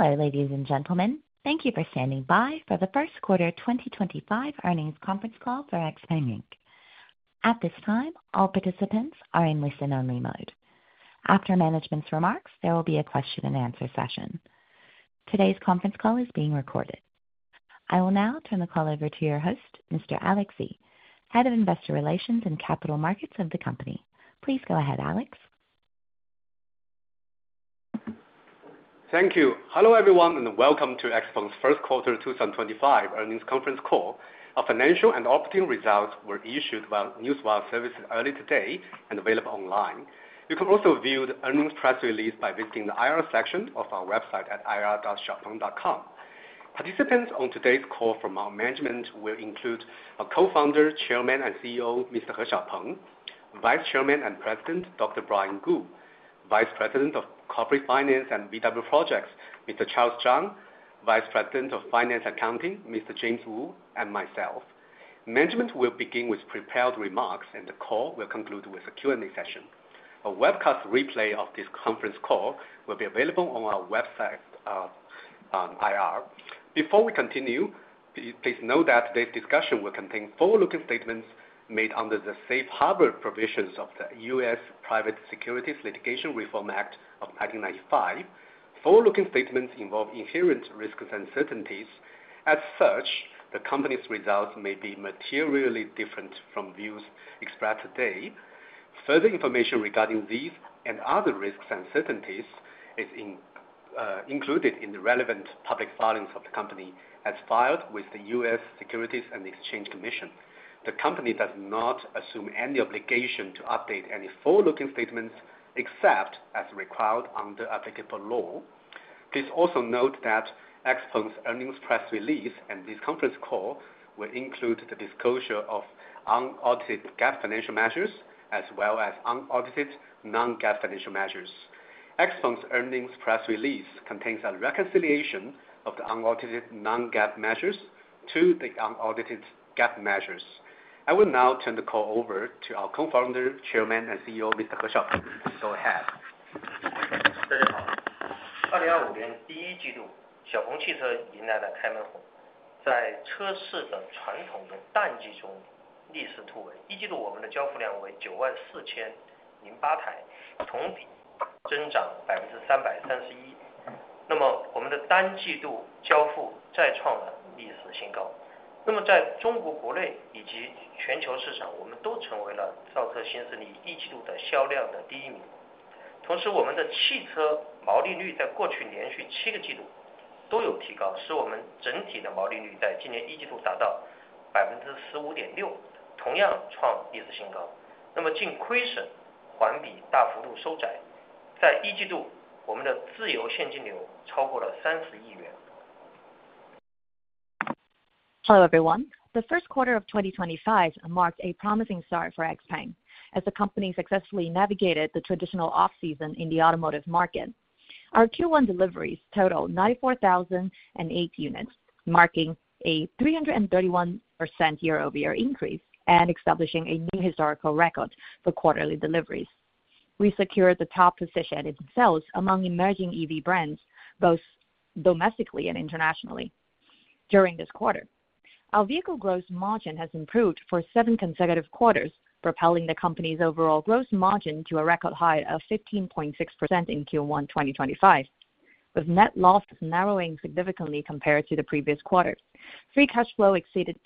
Hello, ladies and gentlemen. Thank you for standing by for the First Quarter 2025 Earnings Conference Call for XPeng Inc. At this time, all participants are in listen-only mode. After management's remarks, there will be a question-and-answer session. Today's conference call is being recorded. I will now turn the call over to your host, Mr. Alex Xie, Head of Investor Relations and Capital Markets of the company. Please go ahead, Alex. Thank you. Hello, everyone, and welcome to XPeng's First Quarter 2025 Earnings Conference Call. Our Financial and Operating Results were issued by Newswire Services early today and available online. You can also view the earnings press release by visiting the IR section of our website at irs.xiaopeng.com. Participants on today's call from our management will include our Co-founder, Chairman, and CEO, Mr. He Xiaopeng; Vice Chairman and President, Dr. Brian Gu; Vice President of Corporate Finance and VW Projects, Mr. Charles Zhang; Vice President of Finance and Accounting, Mr. James Wu; and myself. Management will begin with prepared remarks, and the call will conclude with a Q&A session. A webcast replay of this conference call will be available on our website IR. Before we continue, please know that today's discussion will contain forward-looking statements made under the safe harbor provisions of the U.S. Private Securities Litigation Reform Act of 1995. Forward-looking statements involve inherent risks and certainties. As such, the company's results may be materially different from views expressed today. Further information regarding these and other risks and certainties is included in the relevant public filings of the company as filed with the U.S. Securities and Exchange Commission. The company does not assume any obligation to update any forward-looking statements except as required under applicable law. Please also note that XPeng's earnings press release and this conference call will include the disclosure of unaudited GAAP financial measures as well as unaudited non-GAAP financial measures. XPeng's earnings press release contains a reconciliation of the unaudited non-GAAP measures to the unaudited GAAP measures. I will now turn the call over to our Co-founder, Chairman, and CEO, Mr. He Xiaopeng. Go ahead. Hello, everyone. The first quarter of 2025 marked a promising start for XPeng, as the company successfully navigated the traditional off-season in the automotive market. Our Q1 deliveries totaled 94,008 units, marking a 331% year-over-year increase and establishing a new historical record for quarterly deliveries. We secured the top position in sales among emerging EV brands, both domestically and internationally. During this quarter, our vehicle gross margin has improved for seven consecutive quarters, propelling the company's overall gross margin to a record high of 15.6% in Q1 2025, with net loss narrowing significantly compared to the previous quarter. Free cash flow exceeded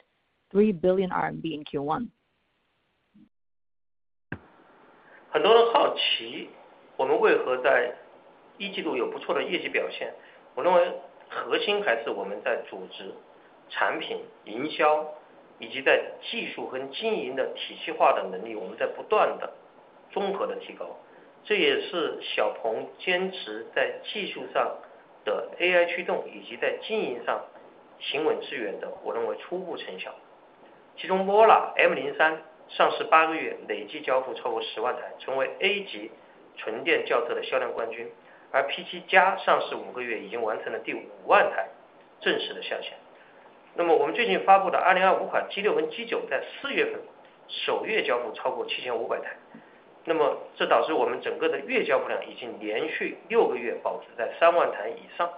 3 billion RMB in Q1. M03上市八个月，累计交付超过10万台，成为A级纯电轿车的销量冠军。而P7加上市五个月，已经完成了第五万台正式的下线。那么我们最近发布的2025款G6跟G9在四月份首月交付超过7,500台。那么这导致我们整个的月交付量已经连续六个月保持在3万台以上。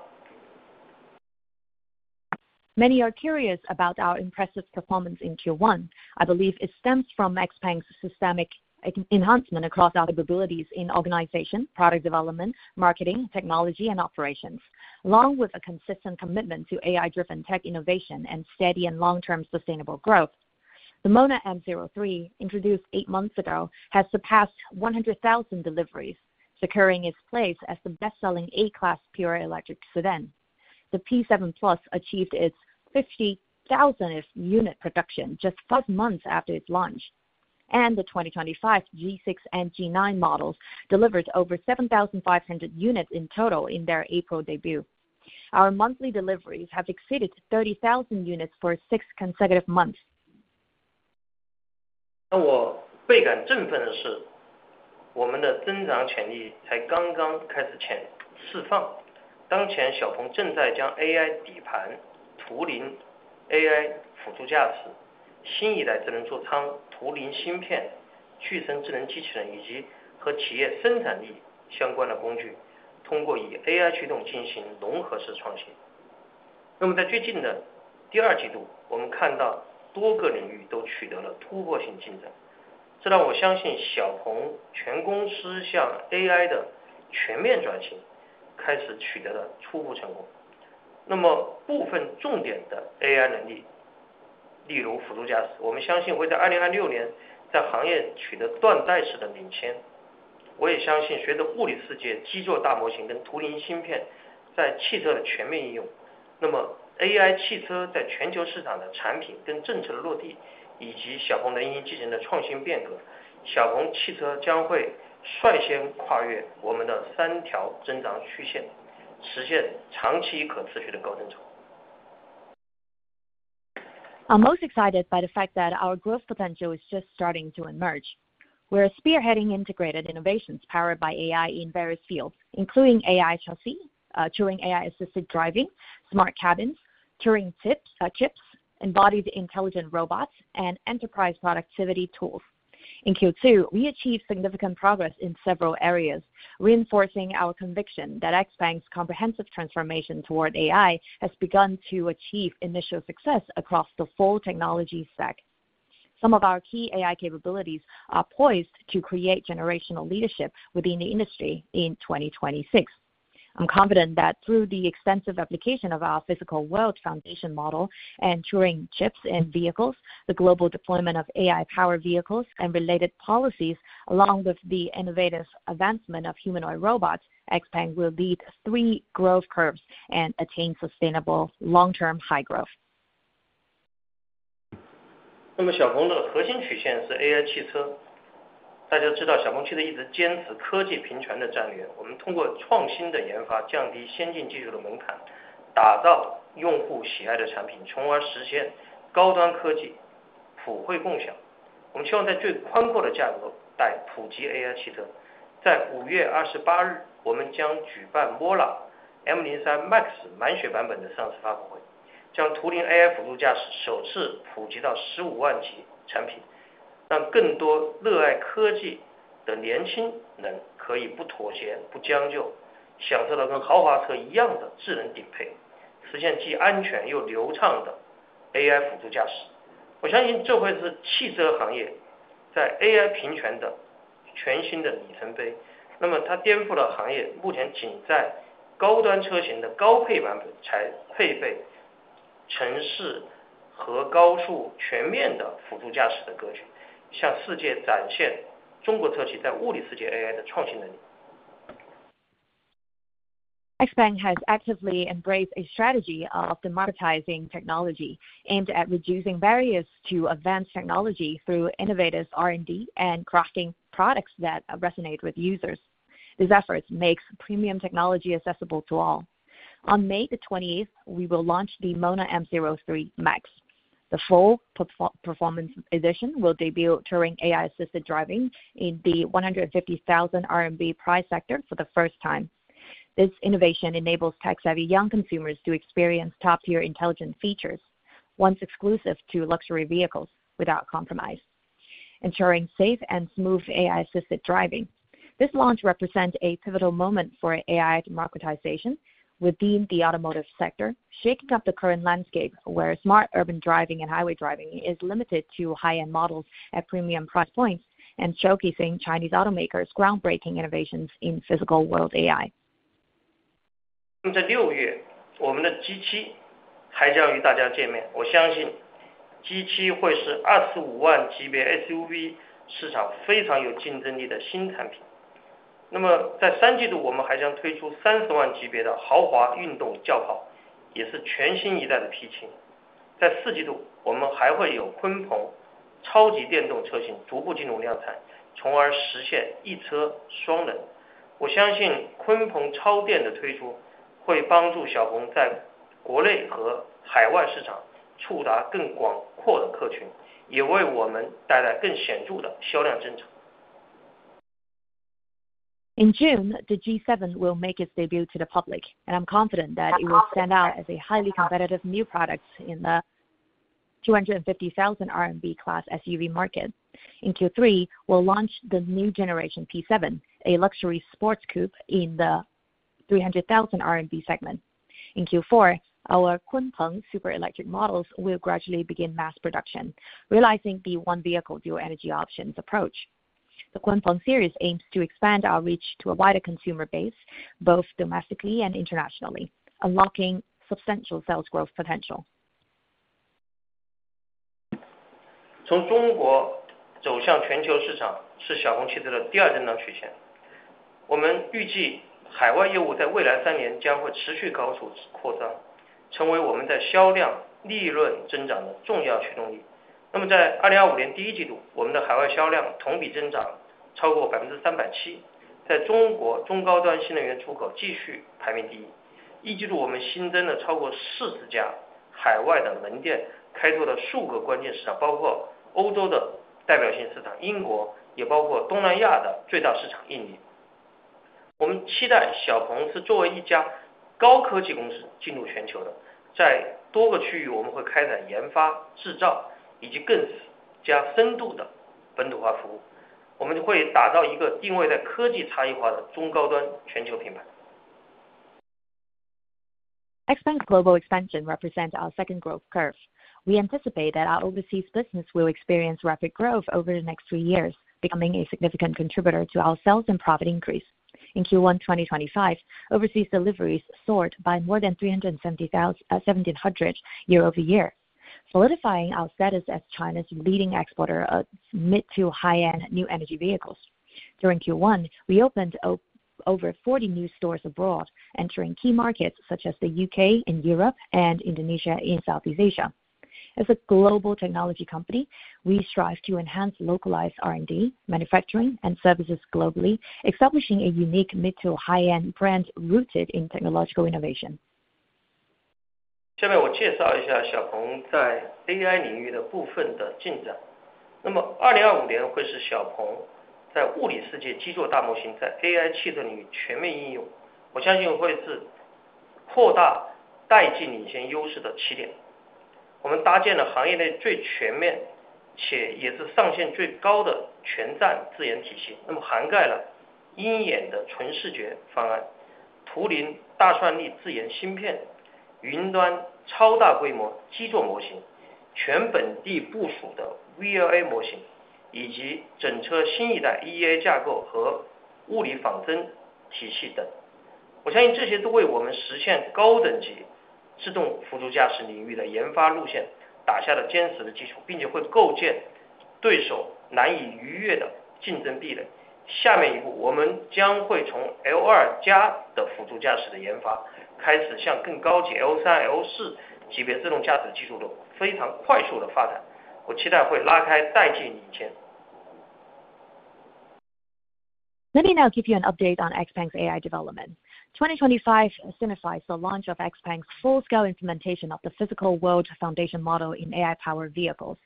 Many are curious about our impressive performance in Q1. I believe it stems from XPeng's systemic enhancement across our capabilities in organization, product development, marketing, technology, and operations, along with a consistent commitment to AI-driven tech innovation and steady and long-term sustainable growth. The MONA M03, introduced eight months ago, has surpassed 100,000 deliveries, securing its place as the best-selling A-class pure electric sedan. The P7+ achieved its 50,000th unit production just five months after its launch, and the 2025 G6 and G9 Models delivered over 7,500 units in total in their April debut. Our monthly deliveries have exceeded 30,000 units for six consecutive months. I'm most excited by the fact that our growth potential is just starting to emerge. We're spearheading integrated innovations powered by AI in various fields, including AI chassis, Turing AI-assisted driving, smart cabins, Turing Chips, embodied intelligent robots, and enterprise productivity tools. In Q2, we achieved significant progress in several areas, reinforcing our conviction that XPeng's comprehensive transformation toward AI has begun to achieve initial success across the full technology stack. Some of our key AI capabilities are poised to create generational leadership within the industry in 2026. I'm confident that through the extensive application of our Physical World Foundation Model and Turing Chips and vehicles, the global deployment of AI-powered vehicles and related policies, along with the innovative advancement of humanoid robots, XPeng will lead three growth curves and attain sustainable long-term high growth. XPeng has actively embraced a strategy of democratizing technology aimed at reducing barriers to advanced technology through innovative R&D and crafting products that resonate with users. These efforts make premium technology accessible to all. On May the 28th, we will launch the MONA M03 Max. The full performance edition will debut Turing AI-assisted driving in the 150,000 RMB price sector for the first time. This innovation enables tech-savvy young consumers to experience top-tier intelligent features, once exclusive to luxury vehicles, without compromise, ensuring safe and smooth AI-assisted driving. This launch represents a pivotal moment for AI democratization within the automotive sector, shaking up the current landscape where smart urban driving and highway driving is limited to high-end models at premium price points and showcasing Chinese automakers' groundbreaking innovations in physical world AI. In June, the G7 will make its debut to the public, and I'm confident that it will stand out as a highly competitive new product in the RNB 250,000 class SUV market. In Q3, we'll launch the New Generation P7, a luxury sports coupe in the 300,000 RMB segment. In Q4, our Twin Tongue Super Electric Models will gradually begin mass production, realizing the one-vehicle dual energy options approach. The Twin Tongue series aims to expand our reach to a wider consumer base, both domestically and internationally, unlocking substantial sales growth potential. XPeng's global expansion represents our second growth curve. We anticipate that our overseas business will experience rapid growth over the next three years, becoming a significant contributor to our sales and profit increase. In Q1 2025, overseas deliveries soared by more than 370,000 year-over-year, solidifying our status as China's leading exporter of mid to high-end new energy vehicles. During Q1, we opened over 40 new stores abroad, entering key markets such as the U.K. and Europe and Indonesia in Southeast Asia. As a global technology company, we strive to enhance localized R&D, manufacturing, and services globally, establishing a unique mid to high-end brand rooted in technological innovation. Let me now give you an update on XPeng's AI development. 2025 signifies the launch of XPeng's full-scale implementation of the Physical World Foundation Model in AI-powered vehicles,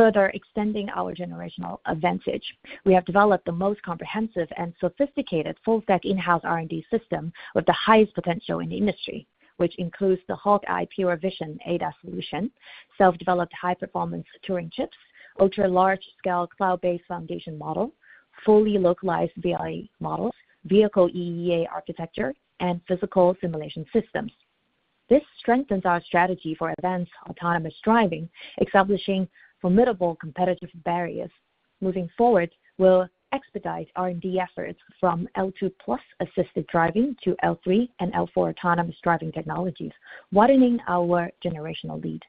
further extending our generational advantage. We have developed the most comprehensive and sophisticated full-stack in-house R&D system with the highest potential in the industry, which includes the HawkEye Pure Vision ADAS Solution, self-developed high-performance Turing Chips, ultra-large scale cloud-based foundation odel, fully localized VLA Models, vehicle EEA architecture, and physical simulation systems. This strengthens our strategy for advanced autonomous driving, establishing formidable competitive barriers. Moving forward, we'll expedite R&D efforts from L2 Plus assisted driving to L3 and L4 autonomous driving technologies, widening our generational lead.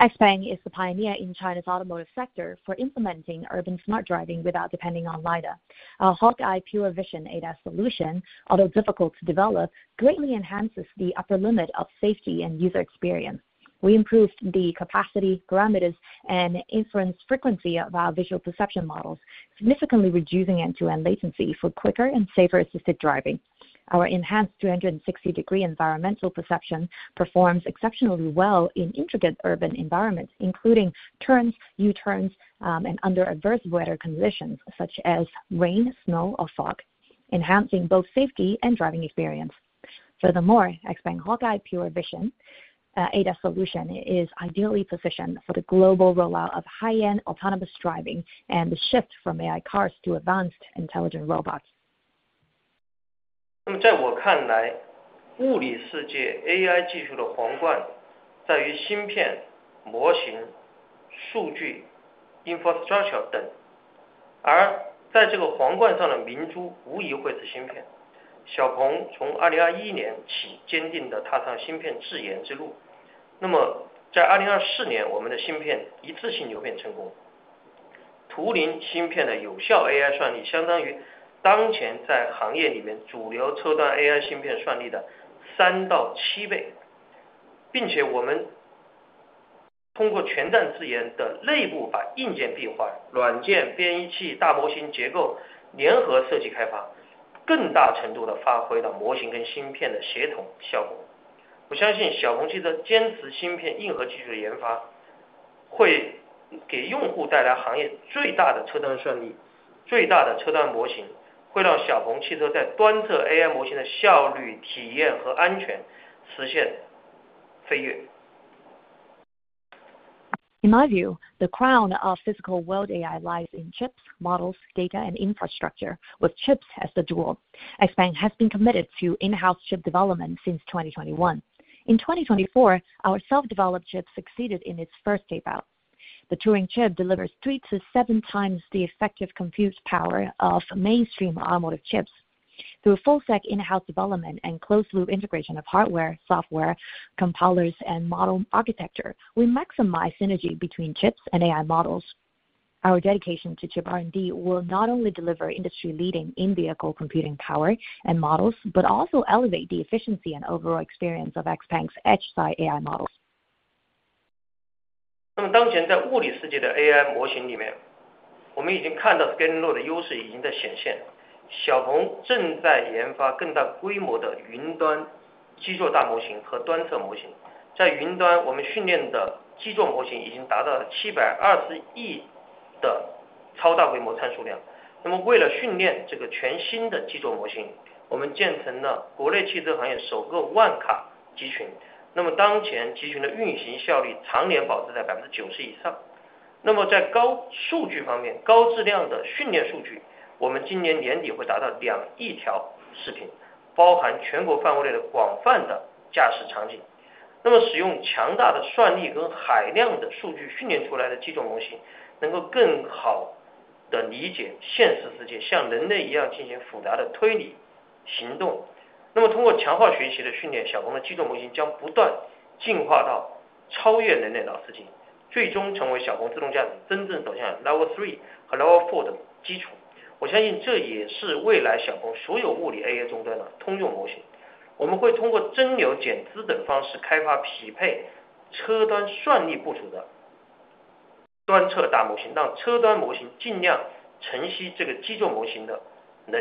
XPeng is the pioneer in China's automotive sector for implementing urban smart driving without depending on LiDAR. Our HawkEye Pure Vision ADAS solution, although difficult to develop, greatly enhances the upper limit of safety and user experience. We improved the capacity, parameters, and inference frequency of our visual perception models, significantly reducing end-to-end latency for quicker and safer assisted driving. Our enhanced 360-degree environmental perception performs exceptionally well in intricate urban environments, including turns, U-turns, and under adverse weather conditions such as rain, snow, or fog, enhancing both safety and driving experience. Furthermore, XPeng HawkEye Pure Vision ADAS Solution is ideally positioned for the global rollout of high-end autonomous driving and the shift from AI cars to advanced intelligent robots. In my view, the crown of physical world AI lies in chips, models, data, and infrastructure, with chips as the jewel. XPeng has been committed to in-house chip development since 2021. In 2024, our self-developed chip succeeded in its first tape out. The Turing Chip delivers three to seven times the effective compute power of mainstream automotive chips. Through full-stack in-house development and closed-loop integration of hardware, software, compilers, and model architecture, we maximize synergy between chips and AI Models. Our dedication to chip R&D will not only deliver industry-leading in-vehicle computing power and odels, but also elevate the efficiency and overall experience of XPeng's edge-side AI Models. 那么当前在物理世界的AI模型里面，我们已经看到Scaling In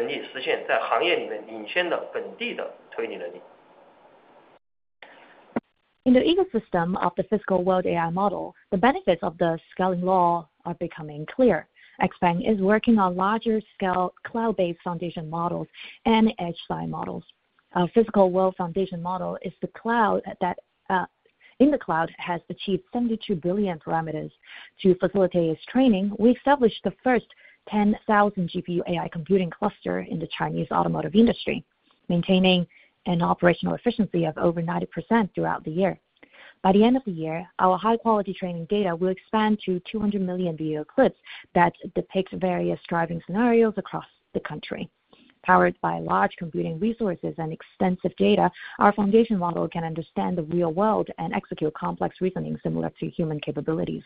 the ecosystem of the physical world AI Model, the benefits of the scaling law are becoming clear. XPeng is working on larger scale cloud-based foundation models and edge-side models. Our Physical World Foundation Model is the cloud that in the cloud has achieved 72 billion parameters to facilitate its training. We established the first 10,000 GPU AI computing cluster in the Chinese automotive industry, maintaining an operational efficiency of over 90% throughout the year. By the end of the year, our high-quality training data will expand to 200 million video clips that depict various driving scenarios across the country. Powered by large computing resources and extensive data, our foundation model can understand the real world and execute complex reasoning similar to human capabilities.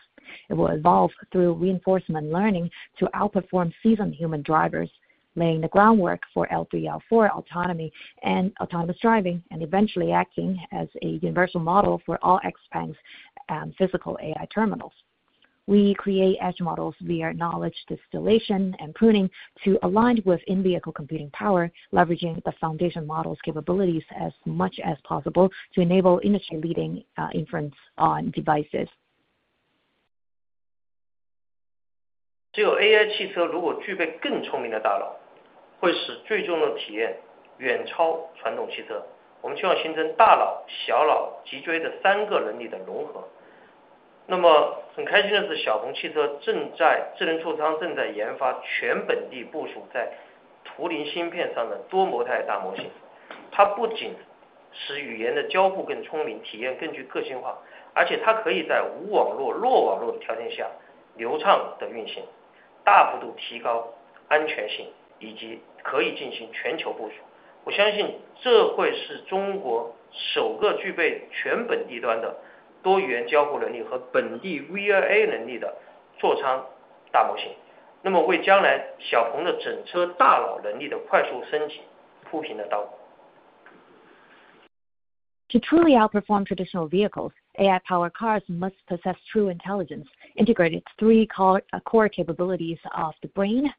It will evolve through reinforcement learning to outperform seasoned human drivers, laying the groundwork for L3, L4 autonomy and autonomous driving, and eventually acting as a universal model for all XPeng's physical AI terminals. We create edge models via knowledge distillation and pruning to align with in-vehicle computing power, leveraging the foundation model's capabilities as much as possible to enable industry-leading inference on devices. To truly outperform traditional vehicles, AI-powered cars must possess true intelligence, integrated three core capabilities of the brain,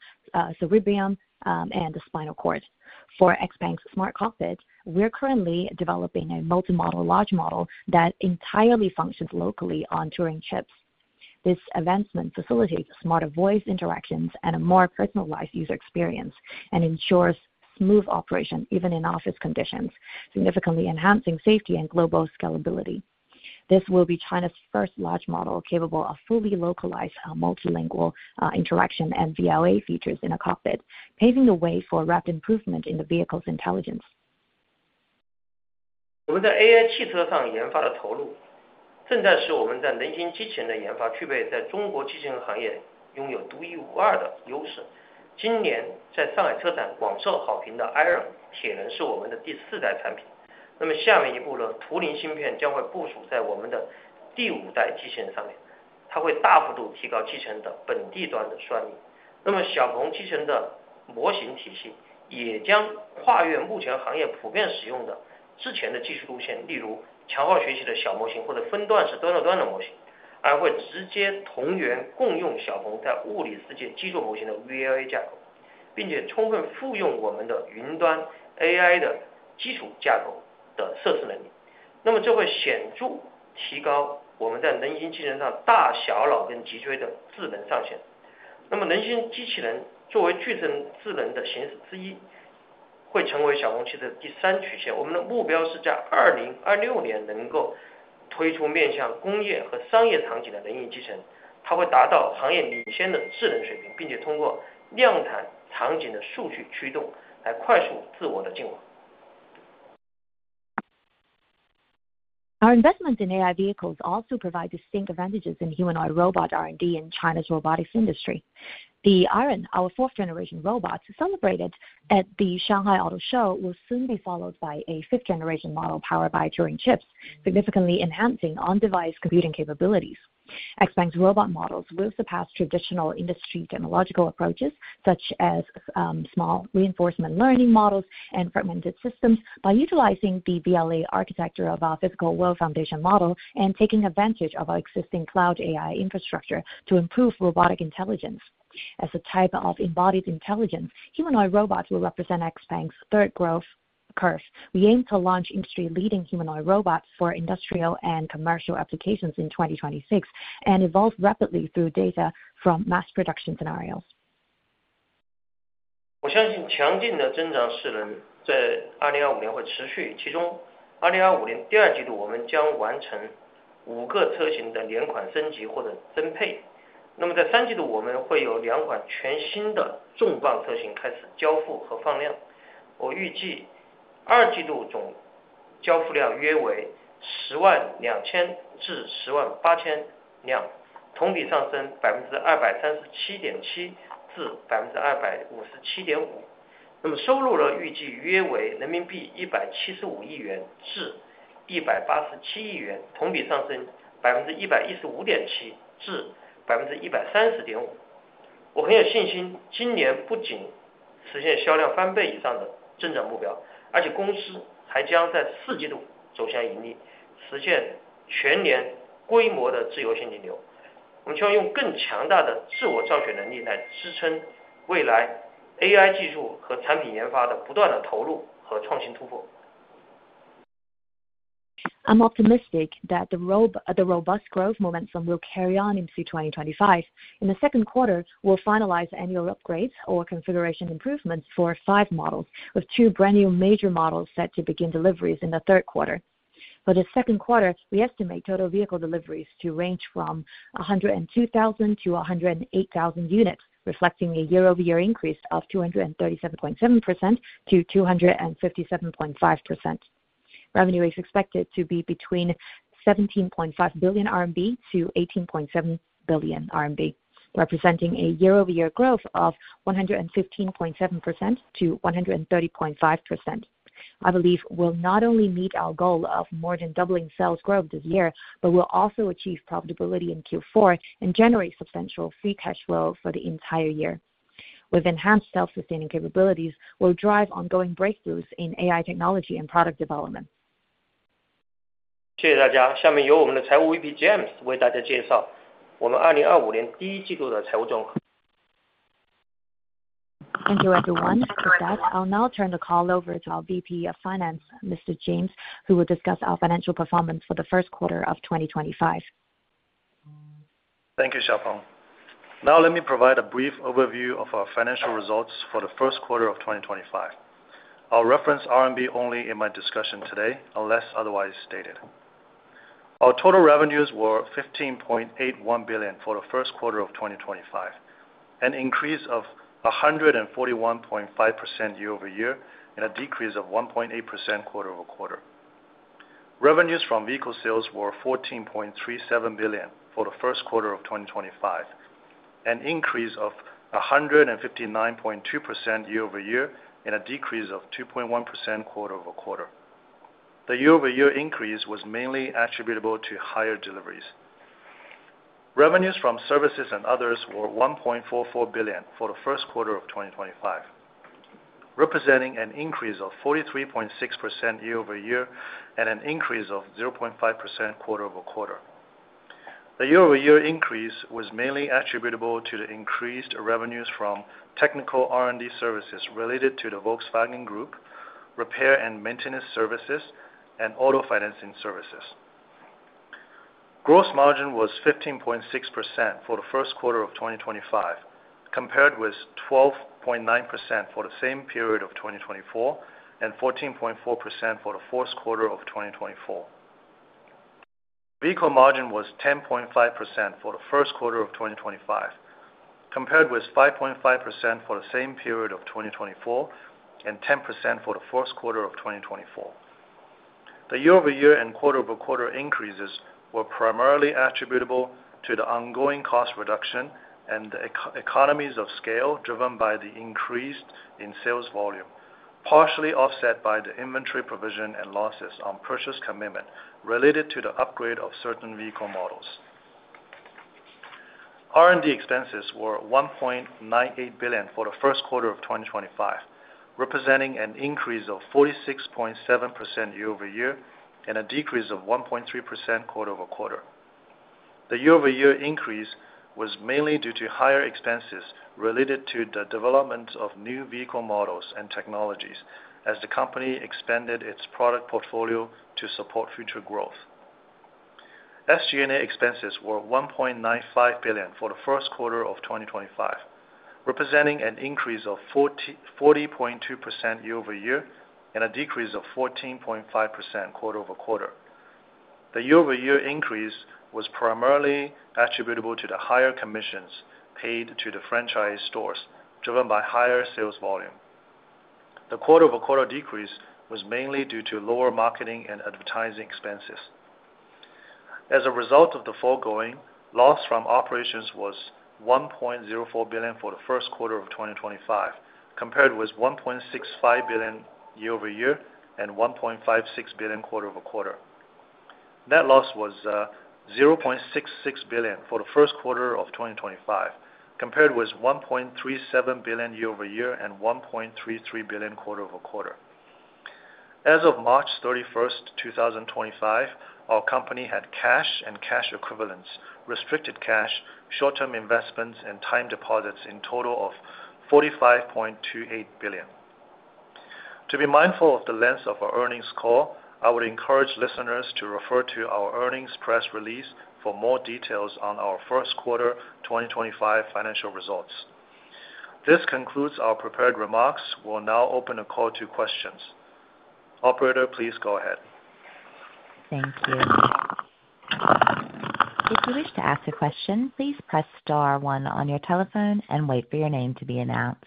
cerebrium, and the spinal cord. For XPeng's Smart Cockpit, we're currently developing a multi-modal large Model that entirely functions locally on Turing Chips. This advancement facilitates smarter voice interactions and a more personalized user experience, and ensures smooth operation even in office conditions, significantly enhancing safety and global scalability. This will be China's first large Model capable of fully localized multilingual interaction and VLA features in a cockpit, paving the way for rapid improvement in the vehicle's intelligence. 我们在AI汽车上研发的投入，正在使我们在人形机器人的研发具备在中国机器人行业拥有独一无二的优势。今年在上海车展广受好评的IRON铁人是我们的第四代产品。那么下面一步呢，图灵芯片将会部署在我们的第五代机器人上面，它会大幅度提高机器人的本地端的算力。那么小鹏机器人的模型体系也将跨越目前行业普遍使用的之前的技术路线，例如强化学习的小模型或者分段式端到端的模型，而会直接同源共用小鹏在物理世界基座模型的VLA架构，并且充分复用我们的云端AI的基础架构的设施能力。那么这会显著提高我们在人形机器人上大小脑跟脊椎的智能上限。那么人形机器人作为巨声智能的形式之一，会成为小鹏汽车的第三曲线。我们的目标是在2026年能够推出面向工业和商业场景的人形机器人，它会达到行业领先的智能水平，并且通过量产场景的数据驱动来快速自我的进化。Our investment in AI vehicles also provides distinct advantages in human-eyed robot R&D in China's robotics industry. The IRON, our fourth generation robot, celebrated at the Shanghai Auto Show, will soon be followed by a fifth generation model powered by Turing Chips, significantly enhancing on-device computing capabilities. XPeng's robot models will surpass traditional industry technological approaches, such as small reinforcement learning models and fragmented systems, by utilizing the VLA architecture of our Physical World Foundation Model and taking advantage of our existing cloud AI infrastructure to improve robotic intelligence. As a type of embodied intelligence, humanoid robots will represent XPeng's third growth curve. We aim to launch industry-leading humanoid robots for industrial and commercial applications in 2026 and evolve rapidly through data from mass production scenarios. I'm optimistic that the robust growth momentum will carry on into 2025. In the second quarter, we'll finalize annual upgrades or configuration improvements for five Models, with two brand new major Models set to begin deliveries in the third quarter. For the second quarter, we estimate total vehicle deliveries to range from 102,000 units-108,000 units, reflecting a year-over-year increase of 237.7%-257.5%. Revenue is expected to be between 17.5 billion-18.7 billion RMB, representing a year-over-year growth of 115.7%-130.5%. I believe we'll not only meet our goal of more than doubling sales growth this year, but we'll also achieve profitability in Q4 and generate substantial free cash flow for the entire year. With enhanced self-sustaining capabilities, we'll drive ongoing breakthroughs in AI technology and product development. 谢谢大家，下面由我们的财务VP James为大家介绍我们2025年第一季度的财务状况。Thank you, everyone. With that, I'll now turn the call over to our Vice President of Finance, Mr. James Wu, who will discuss our financial performance for the first quarter of 2025. Thank you, Xiaopeng. Now let me provide a brief overview of our financial results for the first quarter of 2025. I'll reference RMB only in my discussion today unless otherwise stated. Our total revenues were 15.81 billion for the first quarter of 2025, an increase of 141.5% year-over-year and a decrease of 1.8% quarter-over-quarter. Revenues from vehicle sales were 14.37 billion for the first quarter of 2025, an increase of 159.2% year-over-year and a decrease of 2.1% quarter-over-quarter. The year-over-year increase was mainly attributable to higher deliveries. Revenues from services and others were 1.44 billion for the first quarter of 2025, representing an increase of 43.6% year-over-year and an increase of 0.5% quarter-over-quarter. The year-over-year increase was mainly attributable to the increased revenues from technical R&D services related to the Volkswagen Group, repair and maintenance services, and auto financing services. Gross margin was 15.6% for the first quarter of 2025, compared with 12.9% for the same period of 2024 and 14.4% for the fourth quarter of 2024. Vehicle margin was 10.5% for the first quarter of 2025, compared with 5.5% for the same period of 2024 and 10% for the fourth quarter of 2024. The year-over-year and quarter-over-quarter increases were primarily attributable to the ongoing cost reduction and the economies of scale driven by the increase in sales volume, partially offset by the inventory provision and losses on purchase commitment related to the upgrade of certain vehicle Models. R&D expenses were 1.98 billion for the first quarter of 2025, representing an increase of 46.7% year-over-year and a decrease of 1.3% quarter-over-quarter. The year-over-year increase was mainly due to higher expenses related to the development of new vehicle Models and technologies as the company expanded its product portfolio to support future growth. SG&A expenses were 1.95 billion for the first quarter of 2025, representing an increase of 40.2% year-over-year and a decrease of 14.5% quarter-over-quarter. The year-over-year increase was primarily attributable to the higher commissions paid to the franchise stores driven by higher sales volume. The quarter-over-quarter decrease was mainly due to lower marketing and advertising expenses. As a result of the foregoing, loss from operations was 1.04 billion for the first quarter of 2025, compared with 1.65 billion year-over-year and 1.56 billion quarter-over-quarter. Net loss was 0.66 billion for the first quarter of 2025, compared with 1.37 billion year-over-year and 1.33 billion quarter-over-quarter. As of March 31st, 2025, our company had cash and cash equivalents, restricted cash, short-term investments, and time deposits in total of 45.28 billion. To be mindful of the length of our earnings call, I would encourage listeners to refer to our earnings press release for more details on our first quarter 2025 financial results. This concludes our prepared remarks. We'll now open a call to questions. Operator, please go ahead. Thank you. If you wish to ask a question, please press star one on your telephone and wait for your name to be announced.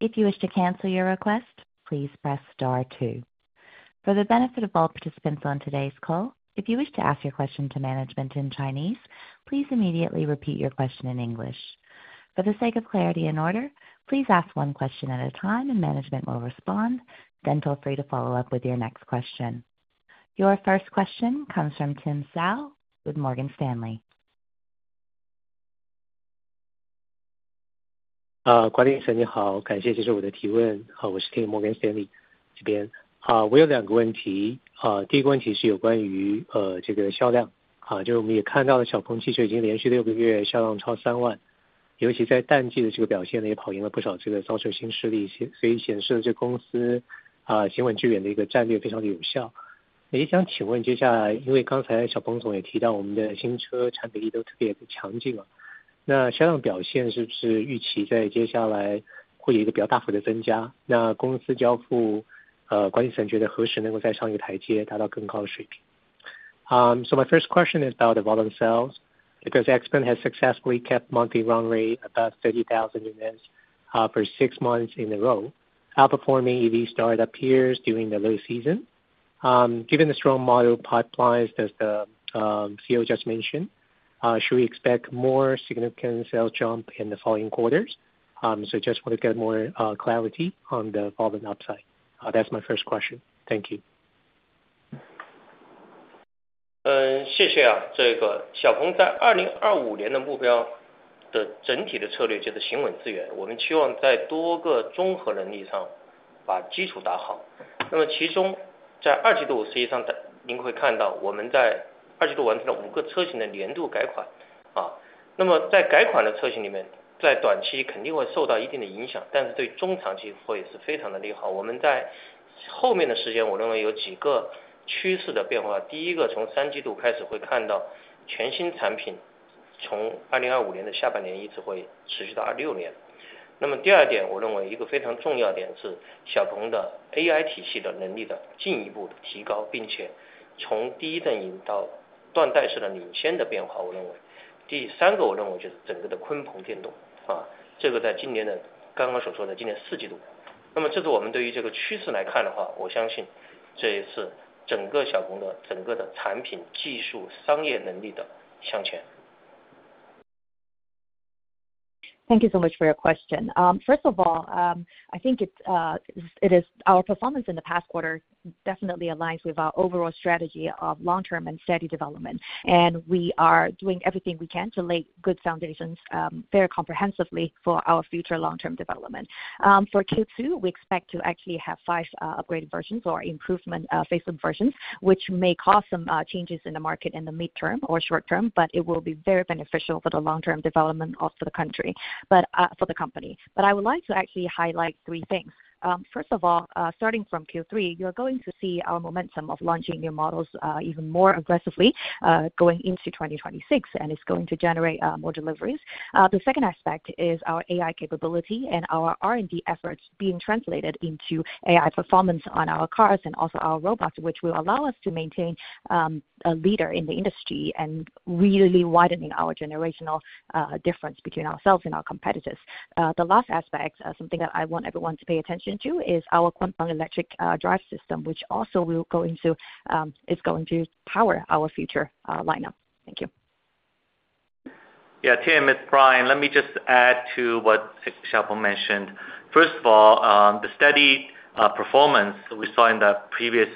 If you wish to cancel your request, please press star two. For the benefit of all participants on today's call, if you wish to ask your question to management in Chinese, please immediately repeat your question in English. For the sake of clarity and order, please ask one question at a time and management will respond. Feel free to follow up with your next question. Your first question comes from Tim Hsiao with Morgan Stanley. 观点先生你好，感谢接受我的提问。我是听Morgan Stanley这边。我有两个问题。第一个问题是有关于这个销量，就是我们也看到了小鹏汽车已经连续六个月销量超三万，尤其在淡季的这个表现也跑赢了不少造车新势力，所以显示了这公司行稳致远的一个战略非常有效。也想请问接下来，因为刚才小鹏总也提到我们的新车产品力都特别强劲，销量表现是不是预期在接下来会有一个比较大幅的增加？那公司交付管理层觉得何时能够再上一个台阶，达到更高的水平？ My first question is about the volume sales, because XPeng has successfully kept monthly run rate about 30,000 units for six months in a row, outperforming EV startup peers during the low season. Given the strong Model pipelines that the CEO just mentioned, should we expect more significant sales jump in the following quarters? I just want to get more clarity on the volume upside. That's my first question. Thank you. Thank you so much for your question. First of all, I think it is our performance in the past quarter definitely aligns with our overall strategy of long-term and steady development, and we are doing everything we can to lay good foundations very comprehensively for our future long-term development. For Q2, we expect to actually have five upgraded versions or improvement-facing versions, which may cause some changes in the market in the midterm or short term, but it will be very beneficial for the long-term development of the company. I would like to actually highlight three things. First of all, starting from Q3, you're going to see our momentum of launching new Models even more aggressively going into 2026, and it's going to generate more deliveries. The second aspect is our AI capability and our R&D efforts being translated into AI performance on our cars and also our robots, which will allow us to maintain a leader in the industry and really widening our generational difference between ourselves and our competitors. The last aspect, something that I want everyone to pay attention to, is our Quantum Electric Drive System, which also will go into is going to power our future lineup. Thank you. Yeah, Tim, it's Brian. Let me just add to what Xiaopeng mentioned. First of all, the steady performance we saw in the previous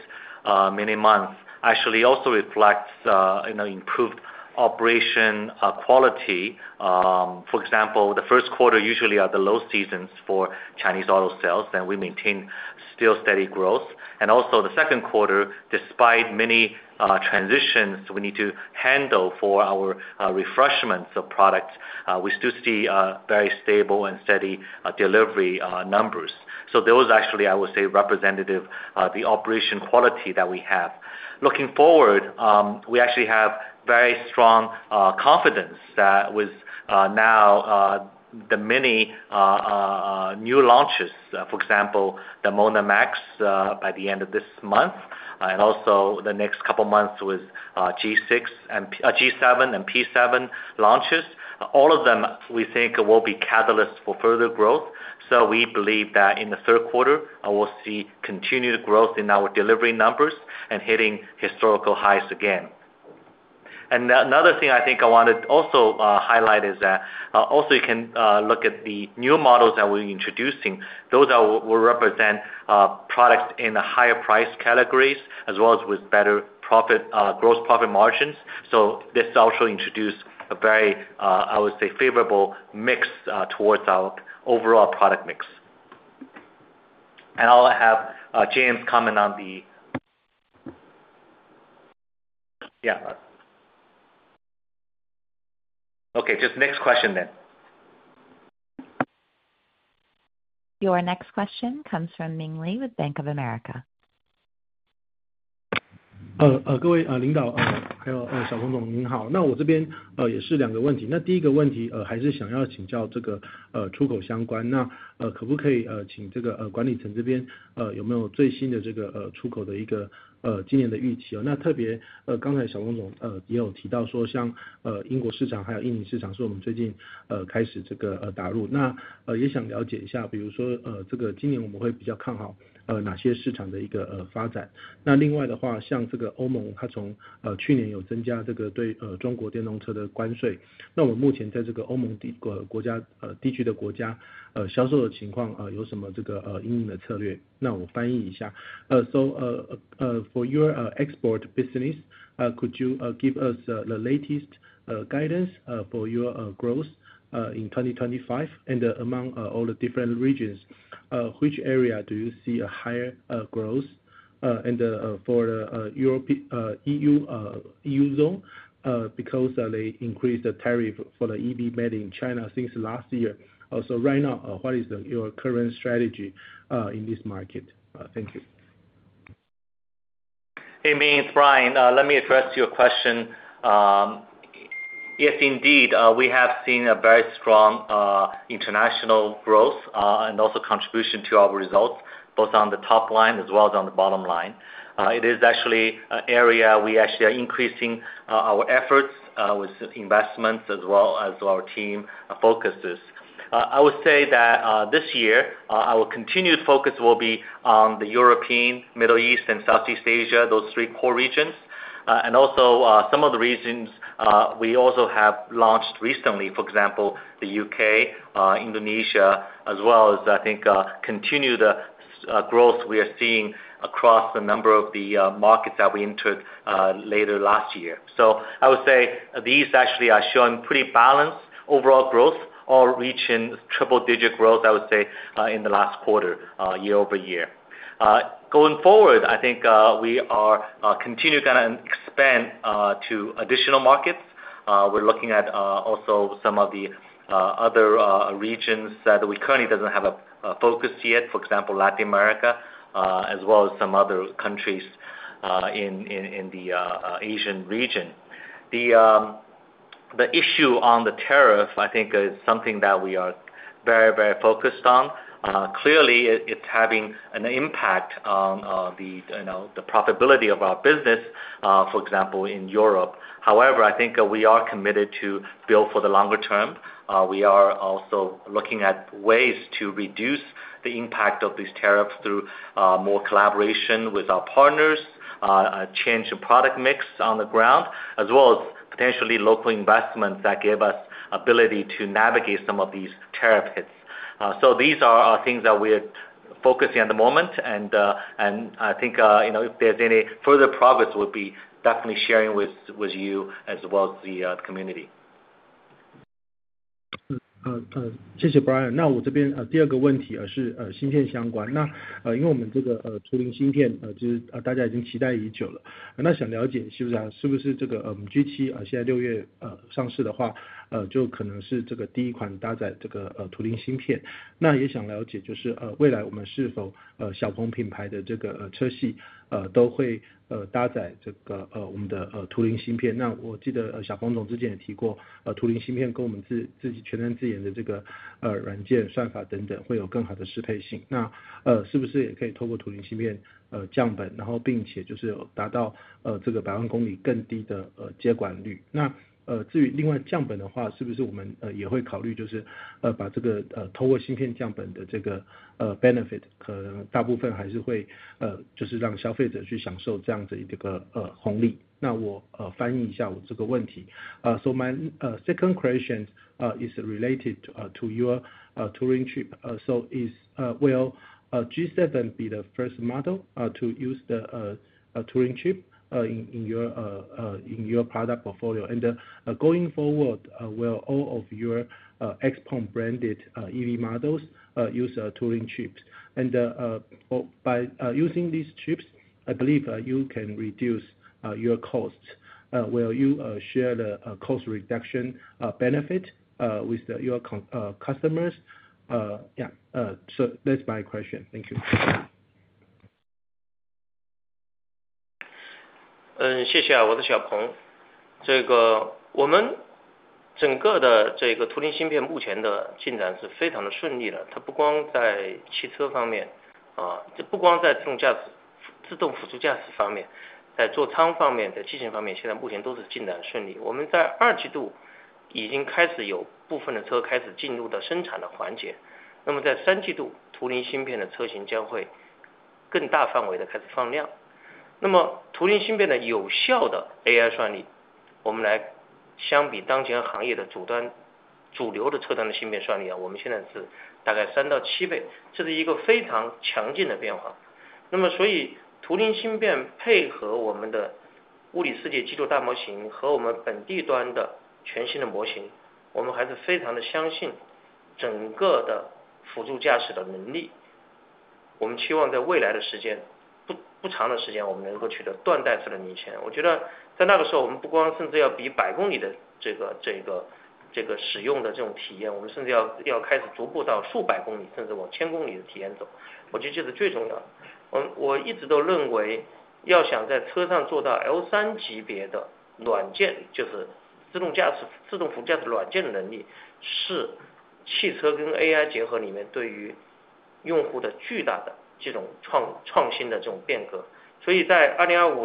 many months actually also reflects improved operation quality. For example, the first quarter usually are the low seasons for Chinese auto sales, and we maintain still steady growth. Also, the second quarter, despite many transitions we need to handle for our refreshments of products, we still see very stable and steady delivery numbers. Those actually, I would say, are representative of the operation quality that we have. Looking forward, we actually have very strong confidence that with now the many new launches, for example, the MONA M03 Max by the end of this month, and also the next couple of months with G7 and P7 launches, all of them we think will be catalysts for further growth. We believe that in the third quarter, we'll see continued growth in our delivery numbers and hitting historical highs again. Another thing I think I wanted also highlight is that also you can look at the new models that we're introducing. Those will represent products in the higher price categories as well as with better gross profit margins. This also introduced a very, I would say, favorable mix towards our overall product mix. I'll have James comment on the. Yeah. Okay, just next question then. Your next question comes from Ming Li with Bank of America. For your export business, could you give us the latest guidance for your growth in 2025 and among all the different regions? Which area do you see a higher growth? And for the EU zone, because they increased the tariff for the EV made in China since last year. Right now, what is your current strategy in this market? Thank you. Hey, Ming, it's Brian. Let me address your question. Yes, indeed, we have seen very strong international growth and also contribution to our results, both on the top line as well as on the bottom line. It is actually an area we are increasing our efforts with investments as well as our team focuses. I would say that this year, our continued focus will be on the European, Middle East, and Southeast Asia, those three core regions. Also, some of the regions we have launched recently, for example, the U.K., Indonesia, as well as, I think, continued growth we are seeing across a number of the markets that we entered later last year. I would say these are showing pretty balanced overall growth, all reaching triple-digit growth, I would say, in the last quarter, year-over-year. Going forward, I think we are continuing to expand to additional markets. We're looking at also some of the other regions that we currently don't have a focus yet, for example, Latin America, as well as some other countries in the Asian region. The issue on the tariff, I think, is something that we are very, very focused on. Clearly, it's having an impact on the profitability of our business, for example, in Europe. However, I think we are committed to build for the longer term. We are also looking at ways to reduce the impact of these tariffs through more collaboration with our partners, change the product mix on the ground, as well as potentially local investments that give us the ability to navigate some of these tariff hits. These are things that we are focusing at the moment, and I think if there's any further progress, we'll be definitely sharing with you as well as the community. 谢谢 Brian。那我这边第二个问题是芯片相关。那因为我们这个图灵芯片其实大家已经期待已久了。那想了解是不是这个 G7 现在 6 benefit 可能大部分还是会就是让消费者去享受这样子的一个红利？那我翻译一下我这个问题。So my second question is related to your Turing Chip. Will G7 be the first model to use the Turing Chip in your product portfolio? Going forward, will all of your XPeng branded EV Models use Turing Chips? By using these chips, I believe you can reduce your costs. Will you share the cost reduction benefit with your customers? Yeah, that's my question. Thank you. AI 算力，我们来。相比当前行业的主流的车辆的芯片算力，我们现在是大概 3-7 倍。这是一个非常强劲的变化。那么所以图灵芯片配合我们的物理世界基础大模型和我们本地端的全新的模型，我们还是非常的相信整个的辅助驾驶的能力。我们期望在未来的时间，不长的时间，我们能够取得断代式的领先。我觉得在那个时候，我们不光甚至要比百公里的这个使用的这种体验，我们甚至要开始逐步到数百公里，甚至往千公里的体验走。我觉得这是最重要的。我一直都认为要想在车上做到 L3 级别的软件，就是自动驾驶、自动辅助驾驶软件的能力，是汽车跟 AI 结合里面对于用户的巨大的这种创新的这种变革。所以在 2025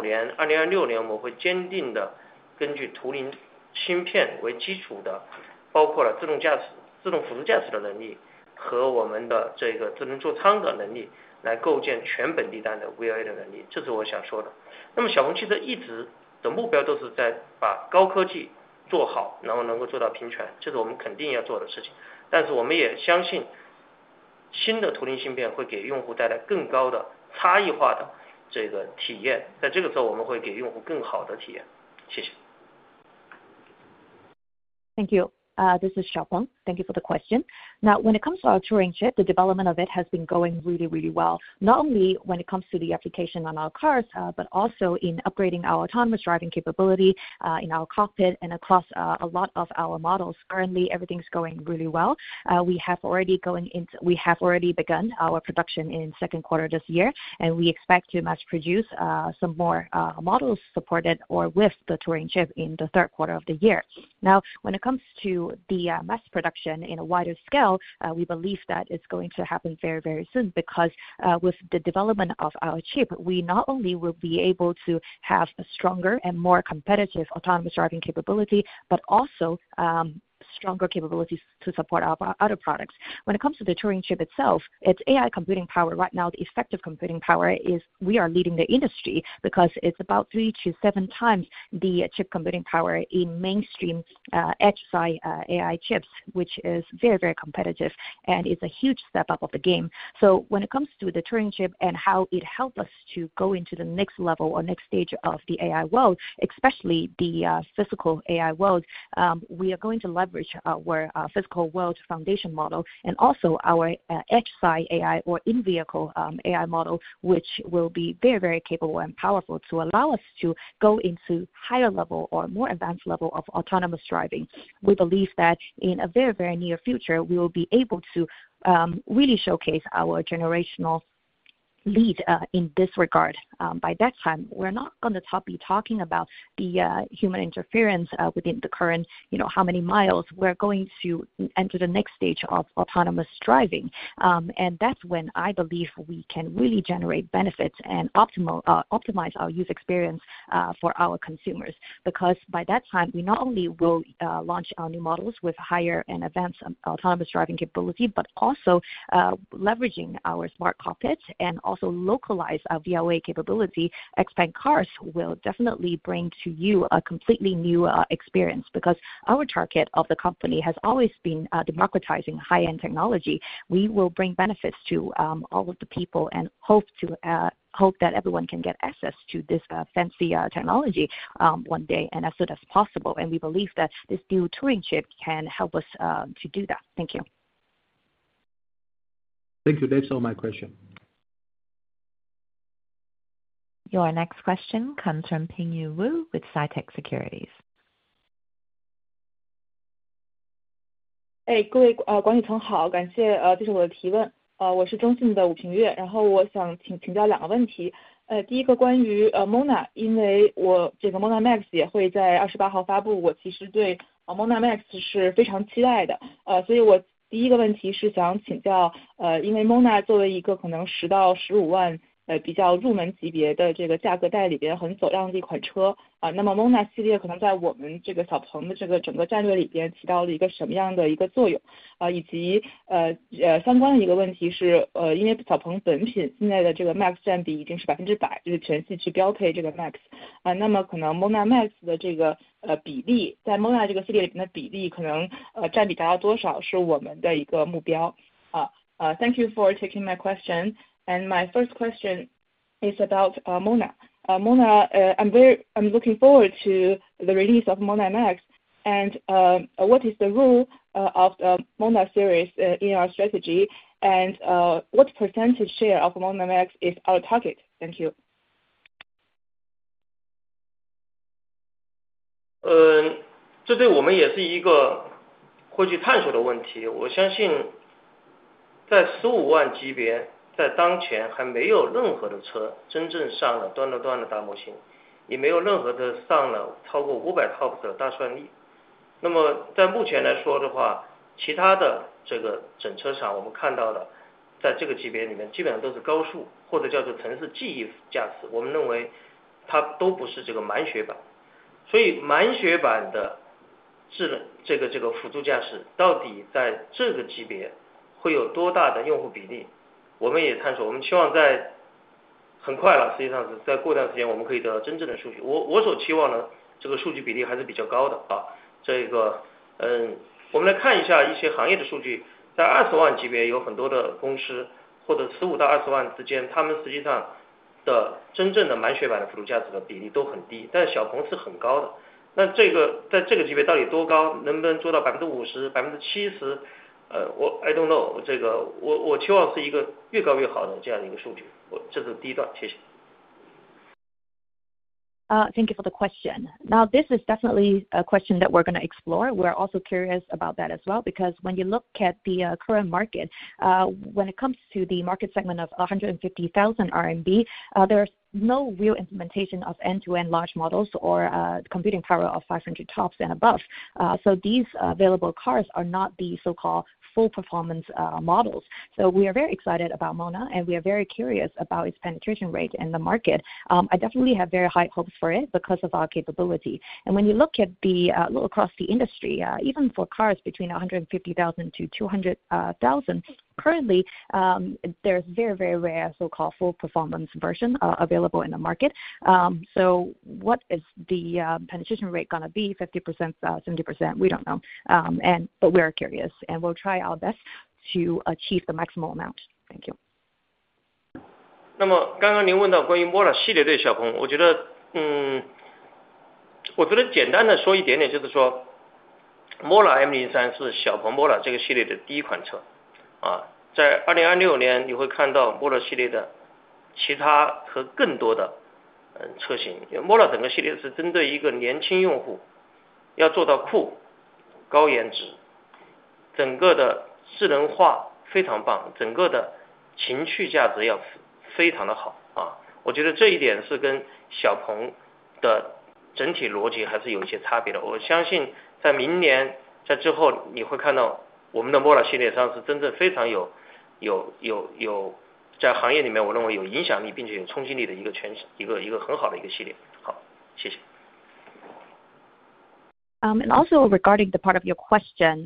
年、2026 年，我们会坚定地根据图灵芯片为基础的，包括了自动驾驶、自动辅助驾驶的能力和我们的这个智能座舱的能力来构建全本地端的 VOA 的能力。这是我想说的。那么小鹏汽车一直的目标都是在把高科技做好，然后能够做到平权。这是我们肯定要做的事情。但是我们也相信新的图灵芯片会给用户带来更高的差异化的这个体验。在这个时候，我们会给用户更好的体验。谢谢。Thank you. This is Xiaopeng. Thank you for the question. Now, when it comes to our Turing Chip, the development of it has been going really, really well. Not only when it comes to the application on our cars, but also in upgrading our autonomous driving capability in our cockpit and across a lot of our models. Currently, everything's going really well. We have already begun our production in the second quarter of this year, and we expect to mass produce some more Models supported or with the Turing Chip in the third quarter of the year. Now, when it comes to the mass production in a wider scale, we believe that it's going to happen very, very soon because with the development of our chip, we not only will be able to have a stronger and more competitive autonomous driving capability, but also stronger capabilities to support our other products. When it comes to the Turing Chip itself, its AI computing power right now, the effective computing power is we are leading the industry because it's about three to seven times the chip computing power in mainstream edge side AI chips, which is very, very competitive and is a huge step up of the game. When it comes to the Turing Chip and how it helps us to go into the next level or next stage of the AI world, especially the physical AI world, we are going to leverage our Physical World Foundation Model and also our edge side AI or in-vehicle AI Model, which will be very, very capable and powerful to allow us to go into higher level or more advanced level of autonomous driving. We believe that in a very, very near future, we will be able to really showcase our generational lead in this regard. By that time, we're not going to be talking about the human interference within the current, you know, how many miles we're going to enter the next stage of autonomous driving. That's when I believe we can really generate benefits and optimize our user experience for our consumers. Because by that time, we not only will launch our new models with higher and advanced autonomous driving capability, but also leveraging our smart cockpits and also localized VOA capability, XPeng cars will definitely bring to you a completely new experience because our target of the company has always been democratizing high-end technology. We will bring benefits to all of the people and hope that everyone can get access to this fancy technology one day as soon as possible. We believe that this new Turing Chip can help us to do that. Thank you. Thank you. That's all my question. Your next question comes from Pingyu Wu with Si-Tech Securities. 哎，各位观众朋友好，感谢这是我的提问。我是中信的武平月，然后我想请教两个问题。第一个关于 MONA，因为我这个 MONA Max 也会在 28 号发布，我其实对 MONA Max 是非常期待的。所以我第一个问题是想请教，因为 MONA 作为一个可能 10-15 万比较入门级别的这个价格带里边很走样的一款车，那么 MONA 系列可能在我们这个小鹏的这个整个战略里边起到了一个什么样的一个作用，以及相关的一个问题是因为小鹏本品现在的这个 Max 占比已经是 100%，就是全系去标配这个 Max。那么可能 MONA Max 的这个比例在 MONA 这个系列里面的比例可能占比达到多少是我们的一个目标。Thank you for taking my question, and my first question is about MONA. MONA, I'm looking forward to the release of MONA Max, and what is the role of the MONA series in our strategy, and what percentage share of MONA Max is our target? Thank you. 这对我们也是一个会去探索的问题。我相信在 RMB 150,000 级别，在当前还没有任何的车真正上了端到端的大模型，也没有任何的上了超过 500 TOPS 的大算力。那么在目前来说的话，其他的这个整车厂我们看到的在这个级别里面基本上都是高速或者叫做城市记忆驾驶，我们认为它都不是这个满血版。所以满血版的这个辅助驾驶到底在这个级别会有多大的用户比例，我们也探索，我们期望在很快了，实际上是在过段时间我们可以得到真正的数据。我所期望的这个数据比例还是比较高的。这个我们来看一下一些行业的数据，在 RMB 200,000 级别有很多的公司或者 RMB 150,000-200,000 之间，他们实际上的真正的满血版的辅助驾驶的比例都很低，但小鹏是很高的。那这个在这个级别到底多高，能不能做到 50%、70%，我 I don't know，这个我期望是一个越高越好的这样一个数据。这是第一段，谢谢。Thank you for the question. Now, this is definitely a question that we're going to explore. We're also curious about that as well, because when you look at the current market, when it comes to the market segment of 150,000 RMB, there's no real implementation of end-to-end large models or computing power of 500 TOPS and above. These available cars are not the so-called full performance models. We are very excited about MONA, and we are very curious about its penetration rate in the market. I definitely have very high hopes for it because of our capability. When you look across the industry, even for cars between 150,000- 200,000, currently there's very, very rare so-called full performance version available in the market. What is the penetration rate going to be? 50%, 70%? We don't know, but we are curious, and we'll try our best to achieve the maximum amount. Thank you. 那么刚刚您问到关于 MONA 系列对小鹏，我觉得，嗯，我觉得简单的说一点点就是说 MONA M03 是小鹏 MONA 这个系列的第一款车。啊，在 2026 年你会看到 MONA 系列的其他和更多的车型，因为 MONA 整个系列是针对一个年轻用户，要做到酷、高颜值，整个的智能化非常棒，整个的情趣价值要非常的好。啊，我觉得这一点是跟小鹏的整体逻辑还是有一些差别的。我相信在明年在之后你会看到我们的 MONA 系列上是真正非常有在行业里面我认为有影响力并且有冲击力的一个很好的一个系列。好，谢谢。Also regarding the part of your question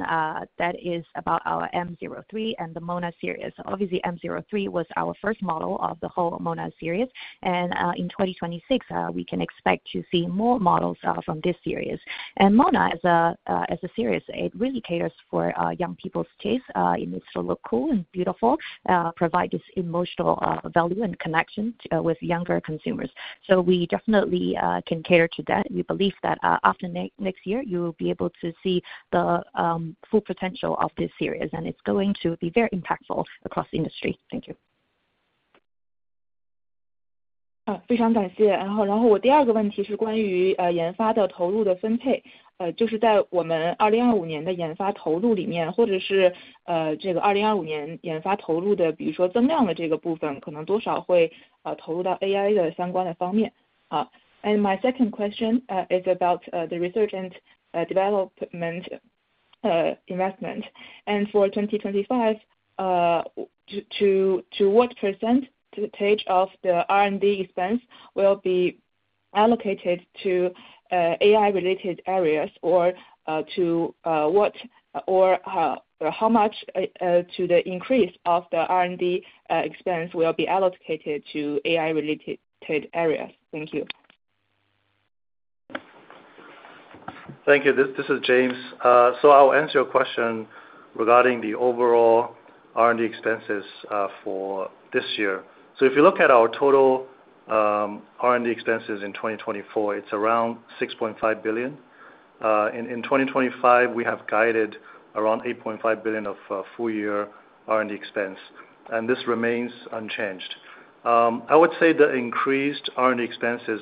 that is about our M03 and the MONA series, obviously M03 was our first model of the whole MONA series, and in 2026 we can expect to see more models from this series. MONA as a series really caters for young people's taste. It needs to look cool and beautiful, provide this emotional value and connection with younger consumers. We definitely can cater to that. We believe that after next year you will be able to see the full potential of this series, and it is going to be very impactful across the industry. Thank you. 非常感谢，然后我第二个问题是关于研发的投入的分配，就是在我们 2025 年的研发投入里面，或者是这个 2025 年研发投入的，比如说增量的这个部分，可能多少会投入到 AI 的相关的方面。My second question is about the research and development investment, and for 2025, to what percentage of the R&D expense will be allocated to AI-related areas or to what or how much to the increase of the R&D expense will be allocated to AI-related areas? Thank you. Thank you. This is James. I'll answer your question regarding the overall R&D expenses for this year. If you look at our total R&D expenses in 2024, it's around 6.5 billion. In 2025, we have guided around 8.5 billion of full-year R&D expense, and this remains unchanged. I would say the increased R&D expenses,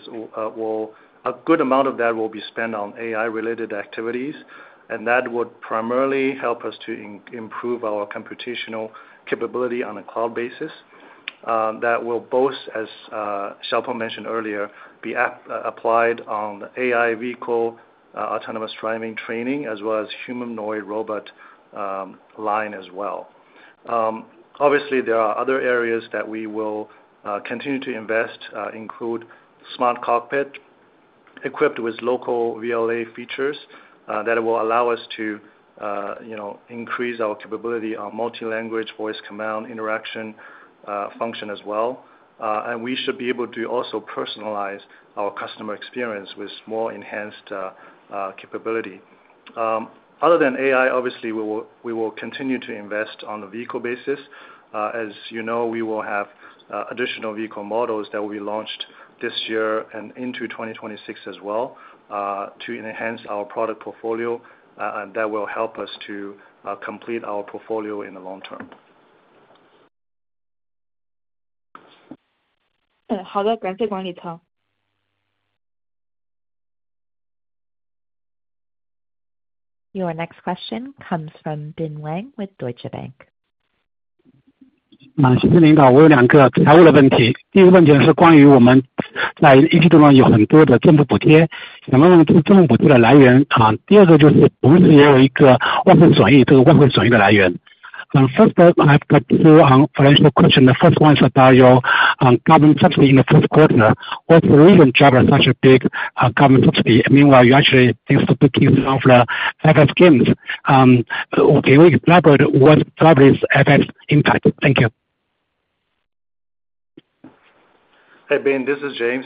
a good amount of that will be spent on AI-related activities, and that would primarily help us to improve our computational capability on a cloud basis. That will both, as Xiaopeng mentioned earlier, be applied on the AI vehicle autonomous driving training as well as humanoid robot line as well. Obviously, there are other areas that we will continue to invest, include smart cockpit equipped with local VLA features that will allow us to, you know, increase our capability on multi-language voice command interaction function as well. We should be able to also personalize our customer experience with more enhanced capability. Other than AI, obviously, we will continue to invest on the vehicle basis. As you know, we will have additional vehicle models that will be launched this year and into 2026 as well to enhance our product portfolio, and that will help us to complete our portfolio in the long term. 好的，感谢关于他。Your next question comes from Ben Wang with Deutsche Bank. 谢谢领导。我有两个财务的问题。第一个问题是关于我们在一批中有很多的政府补贴，想问问政府补贴的来源。第二个就是我们是否也有一个外汇转移，这个外汇转移的来源。First, I have a few financial questions. The first one is about your government subsidy in the first quarter. What's the reason drives such a big government subsidy? Meanwhile, you actually seem to pick off the FX gains. Can you elaborate what drives FX impact? Thank you. Hey, Ben, this is James.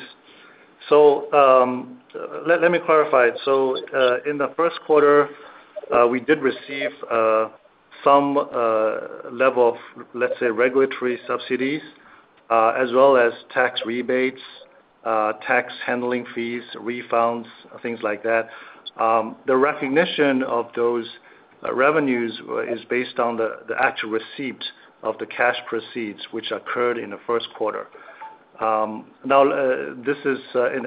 Let me clarify. In the first quarter, we did receive some level of, let's say, regulatory subsidies as well as tax rebates, tax handling fees, refunds, things like that. The recognition of those revenues is based on the actual receipt of the cash proceeds which occurred in the first quarter. This is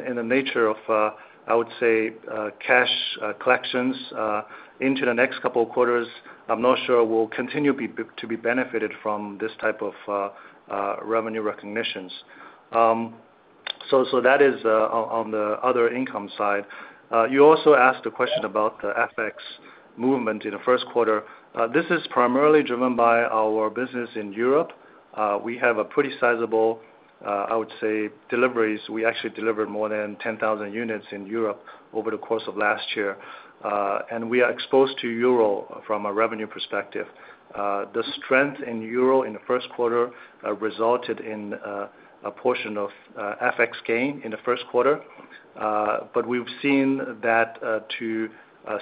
in the nature of, I would say, cash collections into the next couple of quarters. I'm not sure we'll continue to be benefited from this type of revenue recognitions. That is on the other income side. You also asked a question about the FX movement in the first quarter. This is primarily driven by our business in Europe. We have a pretty sizable, I would say, deliveries. We actually delivered more than 10,000 units in Europe over the course of last year, and we are exposed to euro from a revenue perspective. The strength in euro in the first quarter resulted in a portion of FX gain in the first quarter. We have seen that to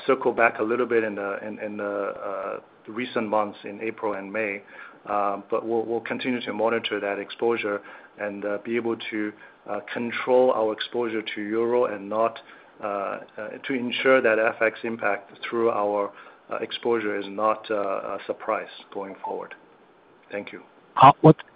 circle back a little bit in the recent months in April and May. We will continue to monitor that exposure and be able to control our exposure to euro and to ensure that FX impact through our exposure is not a surprise going forward. Thank you.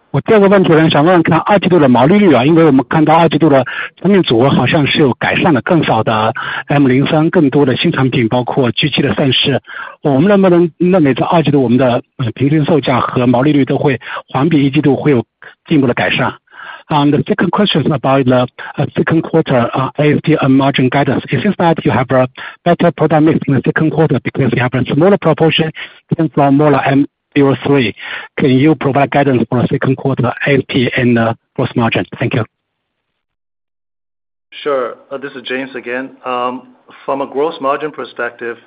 好，我第二个问题呢，想问看二季度的毛利率啊，因为我们看到二季度的产品组合好像是有改善的，更少的 M03，更多的新产品，包括 G7 的赛事。我们能不能认为在二季度我们的平均售价和毛利率都会环比一季度会有进一步的改善？ The second question is about the second quarter ASP and margin guidance. It seems that you have a better product mix in the second quarter because you have a smaller proportion from M03. Can you provide guidance for the second quarter ASP and the gross margin? Thank you. Sure, this is James again. From a gross margin perspective,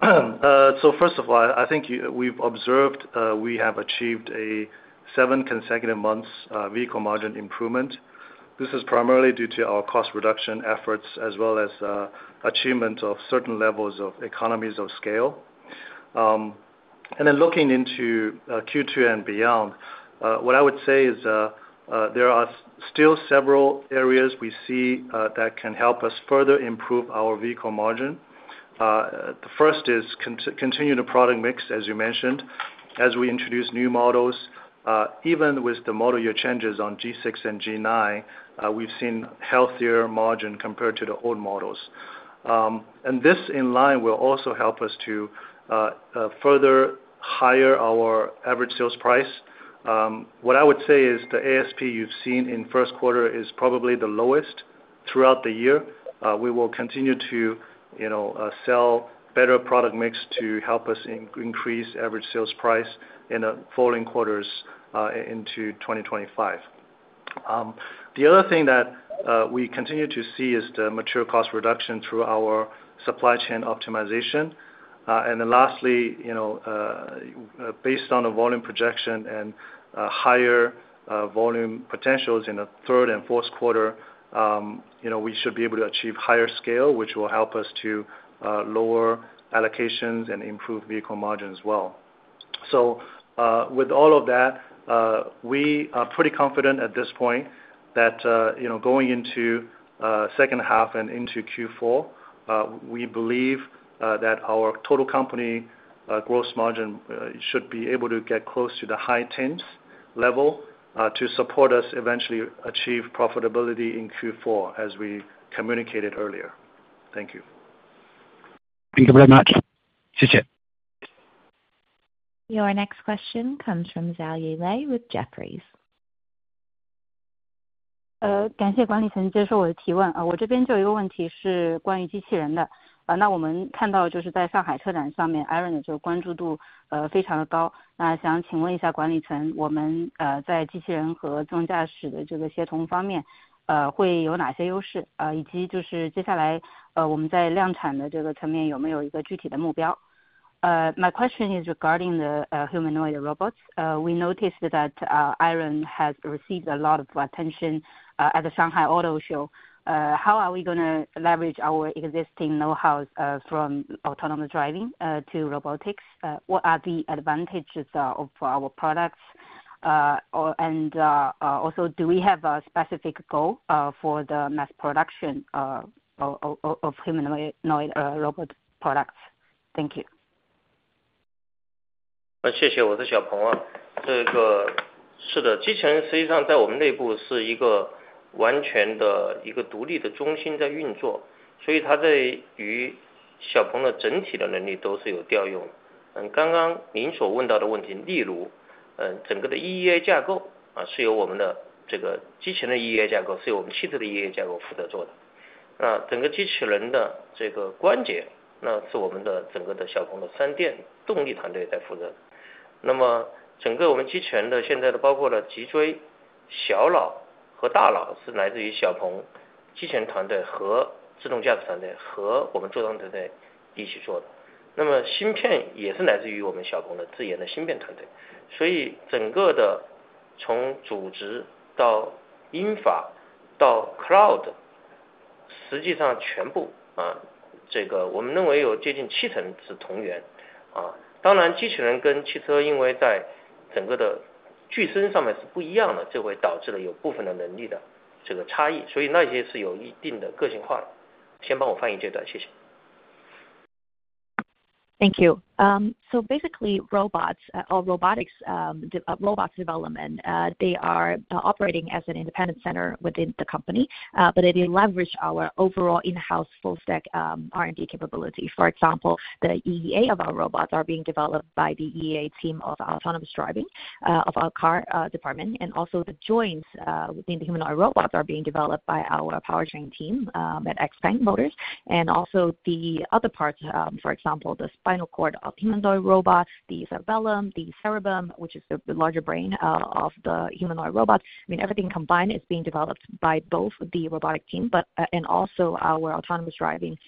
first of all, I think we've observed we have achieved seven consecutive months vehicle margin improvement. This is primarily due to our cost reduction efforts as well as achievement of certain levels of economies of scale. Looking into Q2 and beyond, what I would say is there are still several areas we see that can help us further improve our vehicle margin. The first is continue the product mix, as you mentioned, as we introduce new models. Even with the model year changes on G6 and G9, we've seen healthier margin compared to the old models. This in line will also help us to further higher our average sales price. What I would say is the ASP you've seen in first quarter is probably the lowest throughout the year. We will continue to, you know, sell better product mix to help us increase average sales price in the following quarters into 2025. The other thing that we continue to see is the material cost reduction through our supply chain optimization. Then lastly, you know, based on the volume projection and higher volume potentials in the third and fourth quarter, you know, we should be able to achieve higher scale, which will help us to lower allocations and improve vehicle margin as well. With all of that, we are pretty confident at this point that, you know, going into second half and into Q4, we believe that our total company gross margin should be able to get close to the high 10s level to support us eventually achieve profitability in Q4 as we communicated earlier. Thank you. Thank you very much. Appreciate it. Your next question comes from Xiaoyi Lei with Jefferies. 感谢管理层接受我的提问。我这边就有一个问题是关于机器人的。那我们看到就是在上海车展上面，IRON的就关注度非常的高。那想请问一下管理层，我们在机器人和自动驾驶的这个协同方面会有哪些优势，以及就是接下来我们在量产的这个层面有没有一个具体的目标。My question is regarding the humanoid robots. We noticed that IRON has received a lot of attention at the Shanghai Auto Show. How are we going to leverage our existing know-how from autonomous driving to robotics? What are the advantages of our products? Also, do we have a specific goal for the mass production of humanoid robot products? Thank you. 谢谢，我是小鹏。这个是的，机器人实际上在我们内部是一个完全的一个独立的中心在运作，所以它在于小鹏的整体的能力都是有调用。刚刚您所问到的问题，例如整个的 EEA 架构是由我们的这个机器人 EEA 架构，是由我们汽车的 EEA 架构负责做的。那整个机器人的这个关节，那是我们的整个小鹏的三电动力团队在负责的。那么整个我们机器人的现在的包括了脊椎、小脑和大脑是来自于小鹏机器人团队和自动驾驶团队和我们作战团队一起做的。那么芯片也是来自于我们小鹏的自研的芯片团队。所以整个的从组织到英法到 Cloud，实际上全部啊，这个我们认为有接近 7 成是同源。当然机器人跟汽车因为在整个的巨身上面是不一样的，这会导致了有部分的能力的这个差异，所以那些是有一定的个性化的。先帮我翻译这段，谢谢。Thank you. Basically, robots or robotics robots development, they are operating as an independent center within the company, but they leverage our overall in-house full-stack R&D capability. For example, the EEA of our robots is being developed by the EEA team of autonomous driving of our car department, and also the joints within the humanoid robots are being developed by our powertrain team at XPeng Motors. Also, the other parts, for example, the spinal cord of humanoid robots, the cerebellum, which is the larger brain of the humanoid robot. I mean, everything combined is being developed by both the robotic team and also our autonomous driving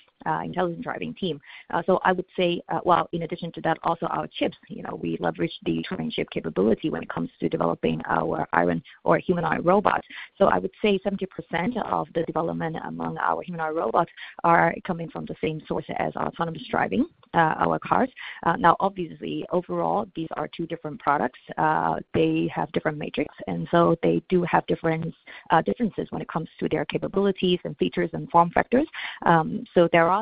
intelligent driving team. In addition to that, also our chips, you know, we leverage the driven chip capability when it comes to developing our IRON or humanoid robots. I would say 70% of the development among our humanoid robots are coming from the same source as autonomous driving, our cars. Now, obviously, overall, these are two different products. They have different matrix, and so they do have different differences when it comes to their capabilities and features and form factors. There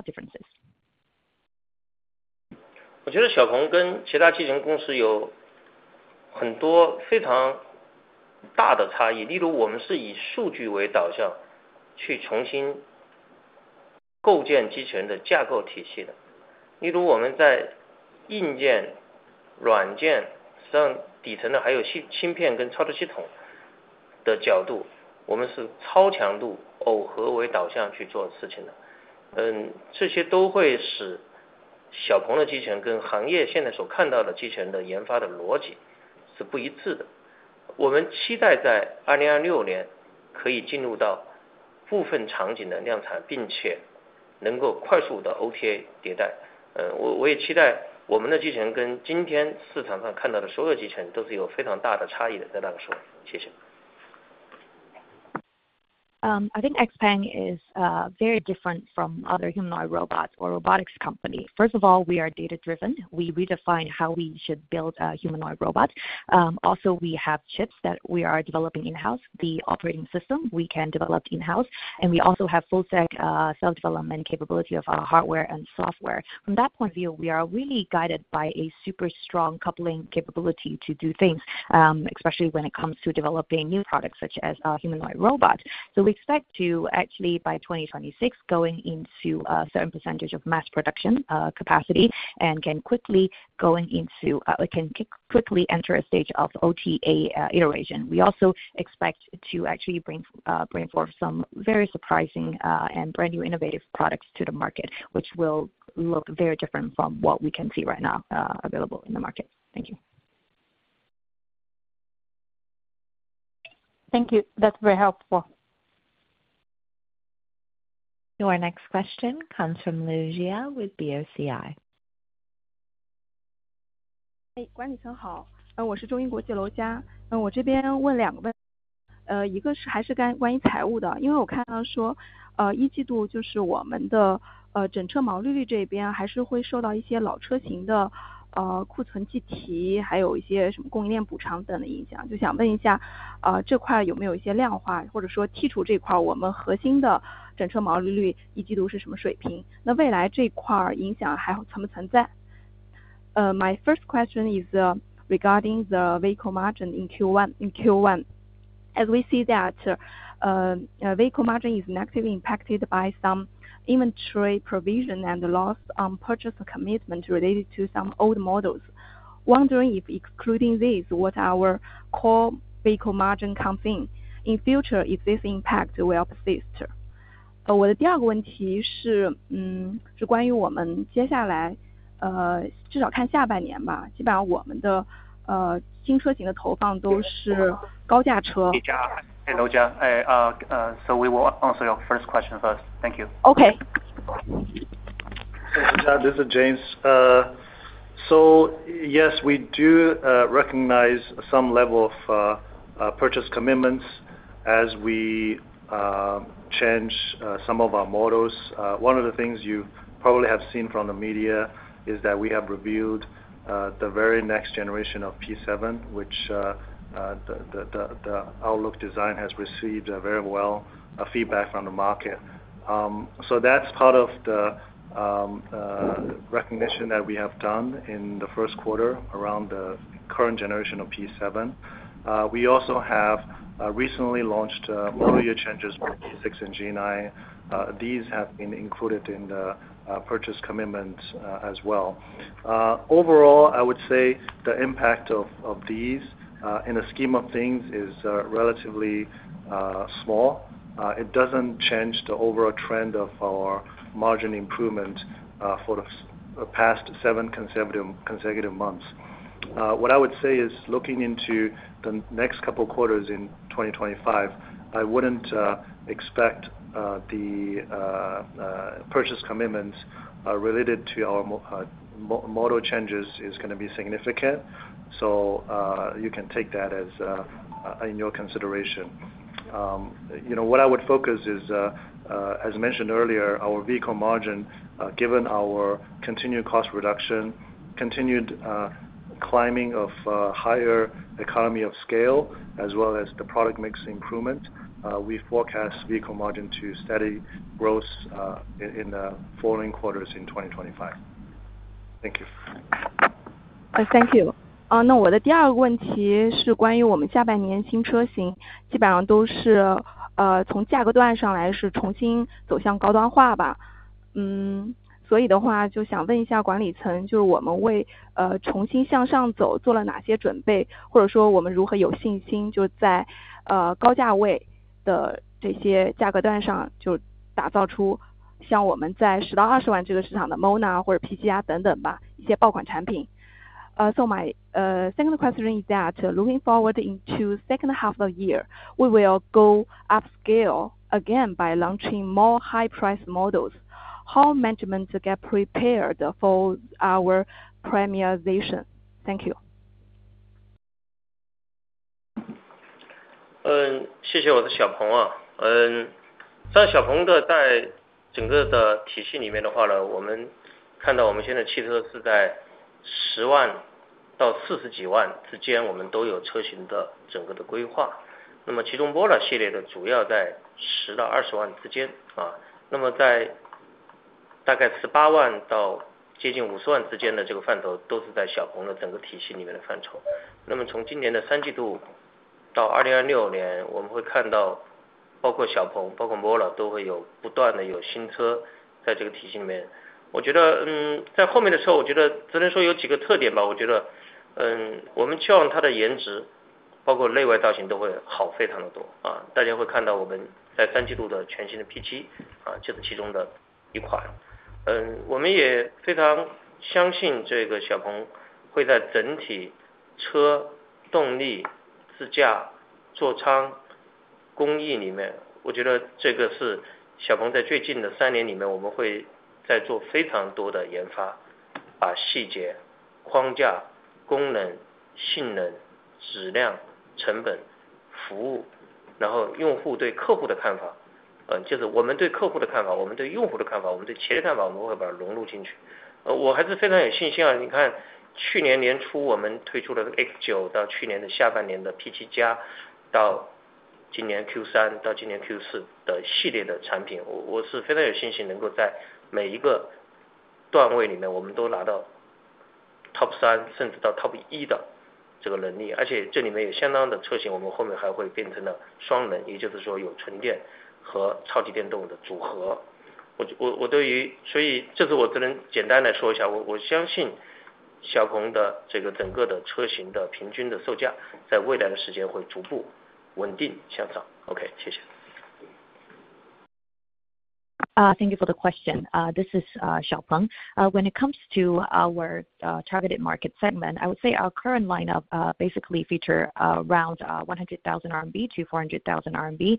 are differences. 我觉得小鹏跟其他机器人公司有很多非常大的差异。例如，我们是以数据为导向去重新构建机器人的架构体系的。例如，我们在硬件软件上底层的，还有芯片跟操作系统的角度，我们是超强度耦合为导向去做事情的。这些都会使小鹏的机器人跟行业现在所看到的机器人的研发的逻辑是不一致的。我们期待在 2026 年可以进入到部分场景的量产，并且能够快速的 OTA 迭代。我也期待我们的机器人跟今天市场上看到的所有机器人都是有非常大的差异的。在那个时候，谢谢。I think XPeng is very different from other humanoid robots or robotics company. First of all, we are data driven. We redefine how we should build a humanoid robot. Also, we have chips that we are developing in-house. The operating system we can develop in-house, and we also have full-stack self-development capability of our hardware and software. From that point of view, we are really guided by a super strong coupling capability to do things, especially when it comes to developing new products such as humanoid robots. We expect to actually, by 2026, go into a certain percentage of mass production capacity and can quickly go into, can quickly enter a stage of OTA iteration. We also expect to actually bring forth some very surprising and brand new innovative products to the market, which will look very different from what we can see right now available in the market. Thank you. Thank you. That's very helpful. Your next question comes from Lujia with BOCI. 哎，管理层好。我是中英国际楼家。我这边问两个问题，一个是还是关于财务的，因为我看到说一季度就是我们的整车毛利率这边还是会受到一些老车型的库存计提，还有一些什么供应链补偿等的影响。就想问一下这块有没有一些量化，或者说剔除这块我们核心的整车毛利率一季度是什么水平，那未来这一块影响还有存不存在。My first question is regarding the vehicle margin in Q1. As we see that vehicle margin is negatively impacted by some inventory provision and loss on purchase commitment related to some old models. Wondering if excluding these, what our core vehicle margin comes in, in future, if this impact will persist. 我的第二个问题是关于我们接下来至少看下半年吧，基本上我们的新车型的投放都是高价车。Hey, Lujia. So we will answer your first question first. Thank you. Okay. This is James. Yes, we do recognize some level of purchase commitments as we change some of our models. One of the things you probably have seen from the media is that we have revealed the very Next Generation of P7, which the outlook design has received very well feedback from the market. That is part of the recognition that we have done in the first quarter around the Current Generation of P7. We also have recently launched model year changes for G6 and G9. These have been included in the purchase commitments as well. Overall, I would say the impact of these in a scheme of things is relatively small. It does not change the overall trend of our margin improvement for the past seven consecutive months. What I would say is looking into the next couple of quarters in 2025, I would not expect the purchase commitments related to our model changes is going to be significant. You can take that as in your consideration. You know, what I would focus is, as mentioned earlier, our vehicle margin, given our continued cost reduction, continued climbing of higher economy of scale, as well as the product mix improvement, we forecast vehicle margin to steady growth in the following quarters in 2025. Thank you. Thank you. 那我的第二个问题是关于我们下半年新车型基本上都是从价格段上来是重新走向高端化吧。所以的话就想问一下管理层，就是我们为重新向上走做了哪些准备，或者说我们如何有信心就在高价位的这些价格段上就打造出像我们在 10-20 万这个市场的 MONA 或者 PGR 等等吧，一些爆款产品。So my second question is that looking forward into second half of the year, we will go upscale again by launching more high price models. How management to get prepared for our premierization? Thank you. RMB 100,000-RMB 400,000 之间，我们都有车型的整个的规划。那么其中 MONA 系列的主要在 RMB 100,000-RMB 200,000 之间。那么在大概 RMB 180,000 到接近 RMB 500,000 之间的这个范畴都是在小鹏的整个体系里面的范畴。那么从今年的三季度到 2026 年，我们会看到包括小鹏，包括 MONA 都会有不断的有新车在这个体系里面。我觉得在后面的时候，我觉得只能说有几个特点吧。我觉得我们希望它的颜值，包括内外造型都会好非常的多。大家会看到我们在三季度的全新的 P7 P7+ 到今年 Q3 到今年 Q4 的系列的产品，我是非常有信心能够在每一个段位里面我们都拿到 Top 3 甚至到 Top 1 的这个能力。而且这里面有相当的车型，我们后面还会变成了双能，也就是说有纯电和超级电动的组合。我对于，所以这次我只能简单来说一下，我相信小鹏的这个整个的车型的平均的售价在未来的时间会逐步稳定向上。OK，谢谢。Thank you for the question. This is Xiaopeng. When it comes to our targeted market segment, I would say our current lineup basically features around 100,000-400,000 RMB,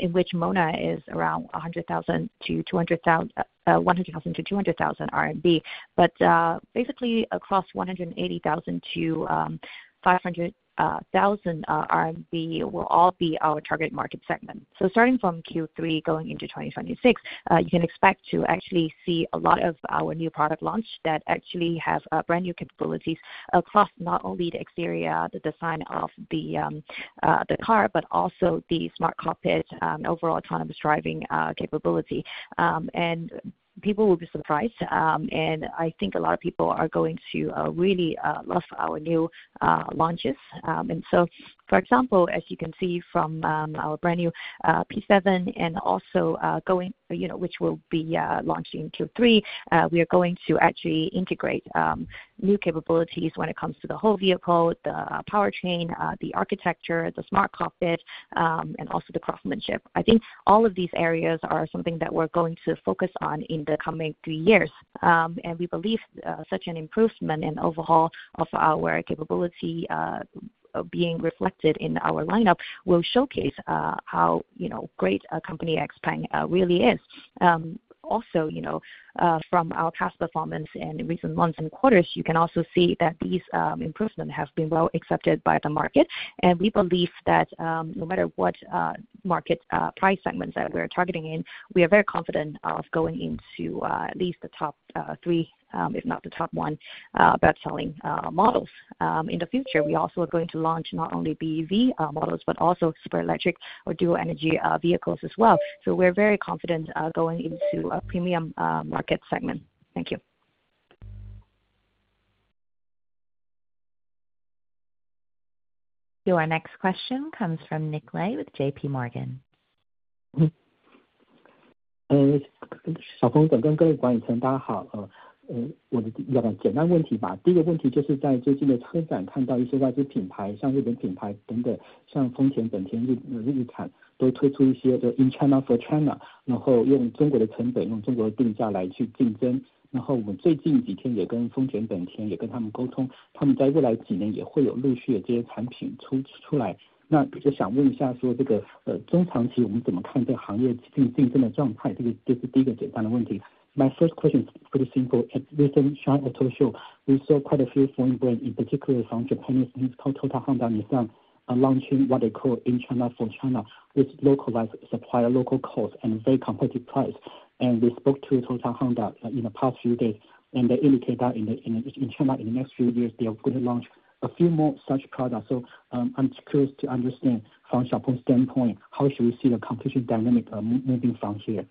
in which MONA is around 100,000-200,000. Basically, across 180,000-500,000 RMB will all be our target market segment. Starting from Q3 going into 2026, you can expect to actually see a lot of our new product launch that actually have brand new capabilities across not only the exterior, the design of the car, but also the smart cockpit and overall autonomous driving capability. People will be surprised, and I think a lot of people are going to really love our new launches. For example, as you can see from our brand new P7 and also going, which will be launched in Q3, we are going to actually integrate new capabilities when it comes to the whole vehicle, the powertrain, the architecture, the smart cockpit, and also the craftsmanship. I think all of these areas are something that we're going to focus on in the coming three years. We believe such an improvement and overhaul of our capability being reflected in our lineup will showcase how great a company XPeng really is. Also, from our past performance in recent months and quarters, you can also see that these improvements have been well accepted by the market. We believe that no matter what market price segments that we're targeting in, we are very confident of going into at least the top three, if not the top one, best-selling models. In the future, we also are going to launch not only BEV Models, but also super electric or dual energy vehicles as well. We are very confident going into a premium market segment. Thank you. Your next question comes from Nick Li with JPMorgan. 小鹏总跟各位管理层大家好。我的两个简单问题吧。第一个问题就是在最近的车展看到一些外资品牌，像日本品牌等等，像丰田、本田、日产都推出一些叫做 In China for China，然后用中国的成本，用中国的定价来去竞争。然后我们最近几天也跟丰田、本田也跟他们沟通，他们在未来几年也会有陆续的这些产品出来。那就想问一下说这个中长期我们怎么看这行业竞争的状态，这个就是第一个简单的问题。My first question is pretty simple. Recent China auto show, we saw quite a few foreign brands, in particular from Japanese brands called Toyota, Honda, Nissan, launching what they call In China for China with localized supplier, local cost, and very competitive price. And we spoke to Toyota, Honda in the past few days, and they indicate that in China in the next few years they are going to launch a few more such products. So I'm curious to understand from Xiaopeng's standpoint, how should we see the competition dynamic moving from here?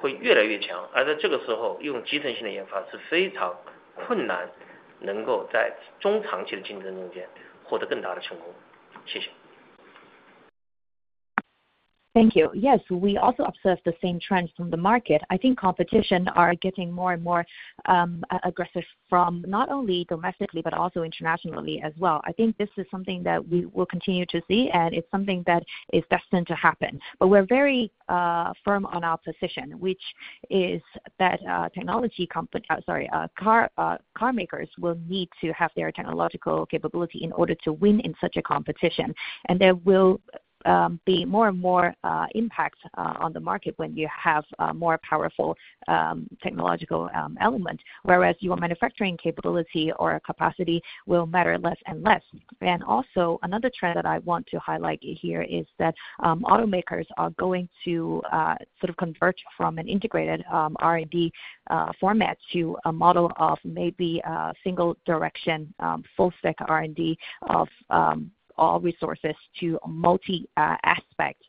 谢谢。对，我们也看到同样的变化。我觉得就是竞争开始从中国本地进入到全球的一个变化，我觉得它是一个必然的趋势。但是我非常坚定，我认为汽车公司的科技属性会越来越高。那么相比同比就是原来的制造属性相对比例会下降。所以汽车公司一定会经历从集成性研发到单向的全站性自研，到多向的融合性自研的过程。最终不管是营销做得多好，销售做得多好，最重要还是产品符合客户、符合用户、符合市场的需求。所以我很高兴我们看到有很多公司的变化，我们正在向他们学习他们的优点。我觉得他们也正在向我们跟其他的厂商学习我们的一些特点。我觉得这是一个互相融合的过程。但是我还是想说小鹏正在从多向的全域型这个全站型研发进入到矩阵的融合型研发。我相信会让小鹏的科技的能力差异会越来越强。而在这个时候用集成性的研发是非常困难能够在中长期的竞争中间获得更大的成功。谢谢。Thank you. Yes, we also observe the same trends from the market. I think competition is getting more and more aggressive not only domestically, but also internationally as well. I think this is something that we will continue to see, and it is something that is destined to happen. We are very firm on our position, which is that car makers will need to have their technological capability in order to win in such a competition. There will be more and more impact on the market when you have more powerful technological elements, whereas your manufacturing capability or capacity will matter less and less. Also, another trend that I want to highlight here is that automakers are going to sort of convert from an integrated R&D format to a model of maybe single direction, full stack R&D of all resources to multi-aspect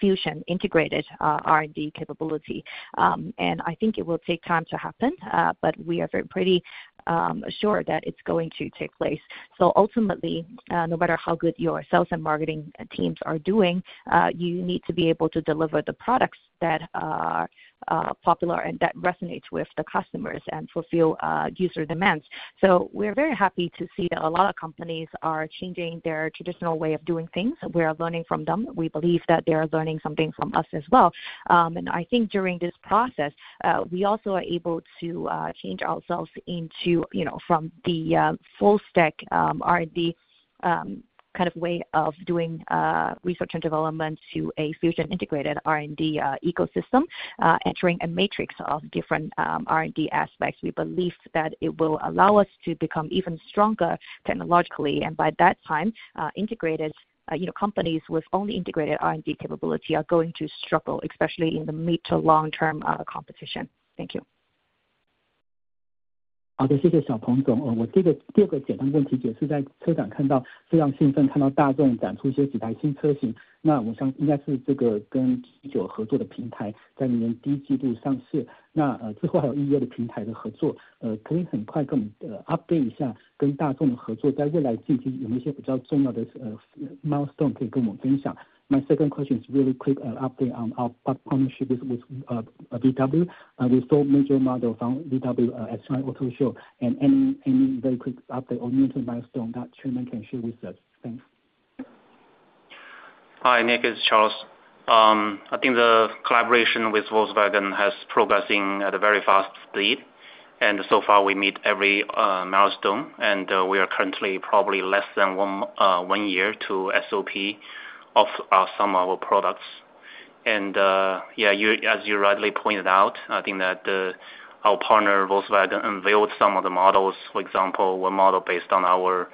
fusion integrated R&D capability. I think it will take time to happen, but we are pretty sure that it's going to take place. Ultimately, no matter how good your sales and marketing teams are doing, you need to be able to deliver the products that are popular and that resonate with the customers and fulfill user demands. We are very happy to see that a lot of companies are changing their traditional way of doing things. We are learning from them. We believe that they are learning something from us as well. I think during this process, we also are able to change ourselves from the full stack R&D kind of way of doing research and development to a fusion integrated R&D ecosystem, entering a matrix of different R&D aspects. We believe that it will allow us to become even stronger technologically. By that time, integrated companies with only integrated R&D capability are going to struggle, especially in the mid to long-term competition. Thank you. G9 合作的平台在明年第一季度上市。那之后还有 EU 的平台的合作，可以很快跟我们 update 一下跟大众的合作在未来近期有没有一些比较重要的 milestone 可以跟我们分享。My second question is really quick update on our partnership with Volkswagen. We saw major model from Volkswagen at China auto show. Any very quick update or new milestone that Chairman can share with us? Thanks. Hi, Nick, it's Charles. I think the collaboration with Volkswagen has progressed at a very fast speed. So far we meet every milestone. We are currently probably less than one year to SOP of some of our products. Yeah, as you rightly pointed out, I think that our partner Volkswagen unveiled some of the models. For example, one model based on our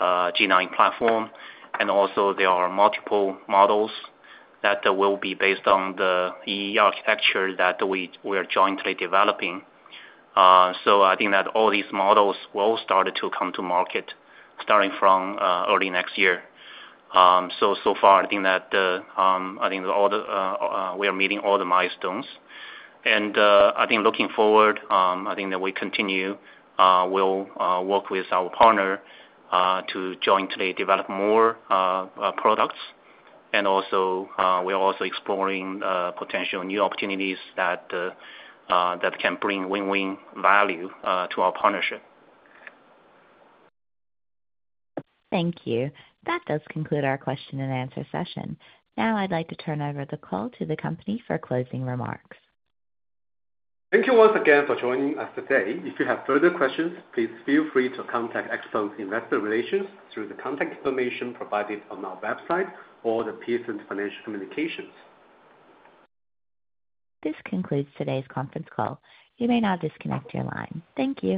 G9 platform. There are multiple models that will be based on the EEA architecture that we are jointly developing. I think that all these models will start to come to market starting from early next year. So far, I think that we are meeting all the milestones. Looking forward, I think that we continue will work with our partner to jointly develop more products. We are also exploring potential new opportunities that can bring win-win value to our partnership. Thank you. That does conclude our question and answer session. Now I'd like to turn over the call to the company for closing remarks. Thank you once again for joining us today. If you have further questions, please feel free to contact XPeng's investor relations through the contact information provided on our website or the PSN Financial Communications. This concludes today's conference call. You may now disconnect your line. Thank you.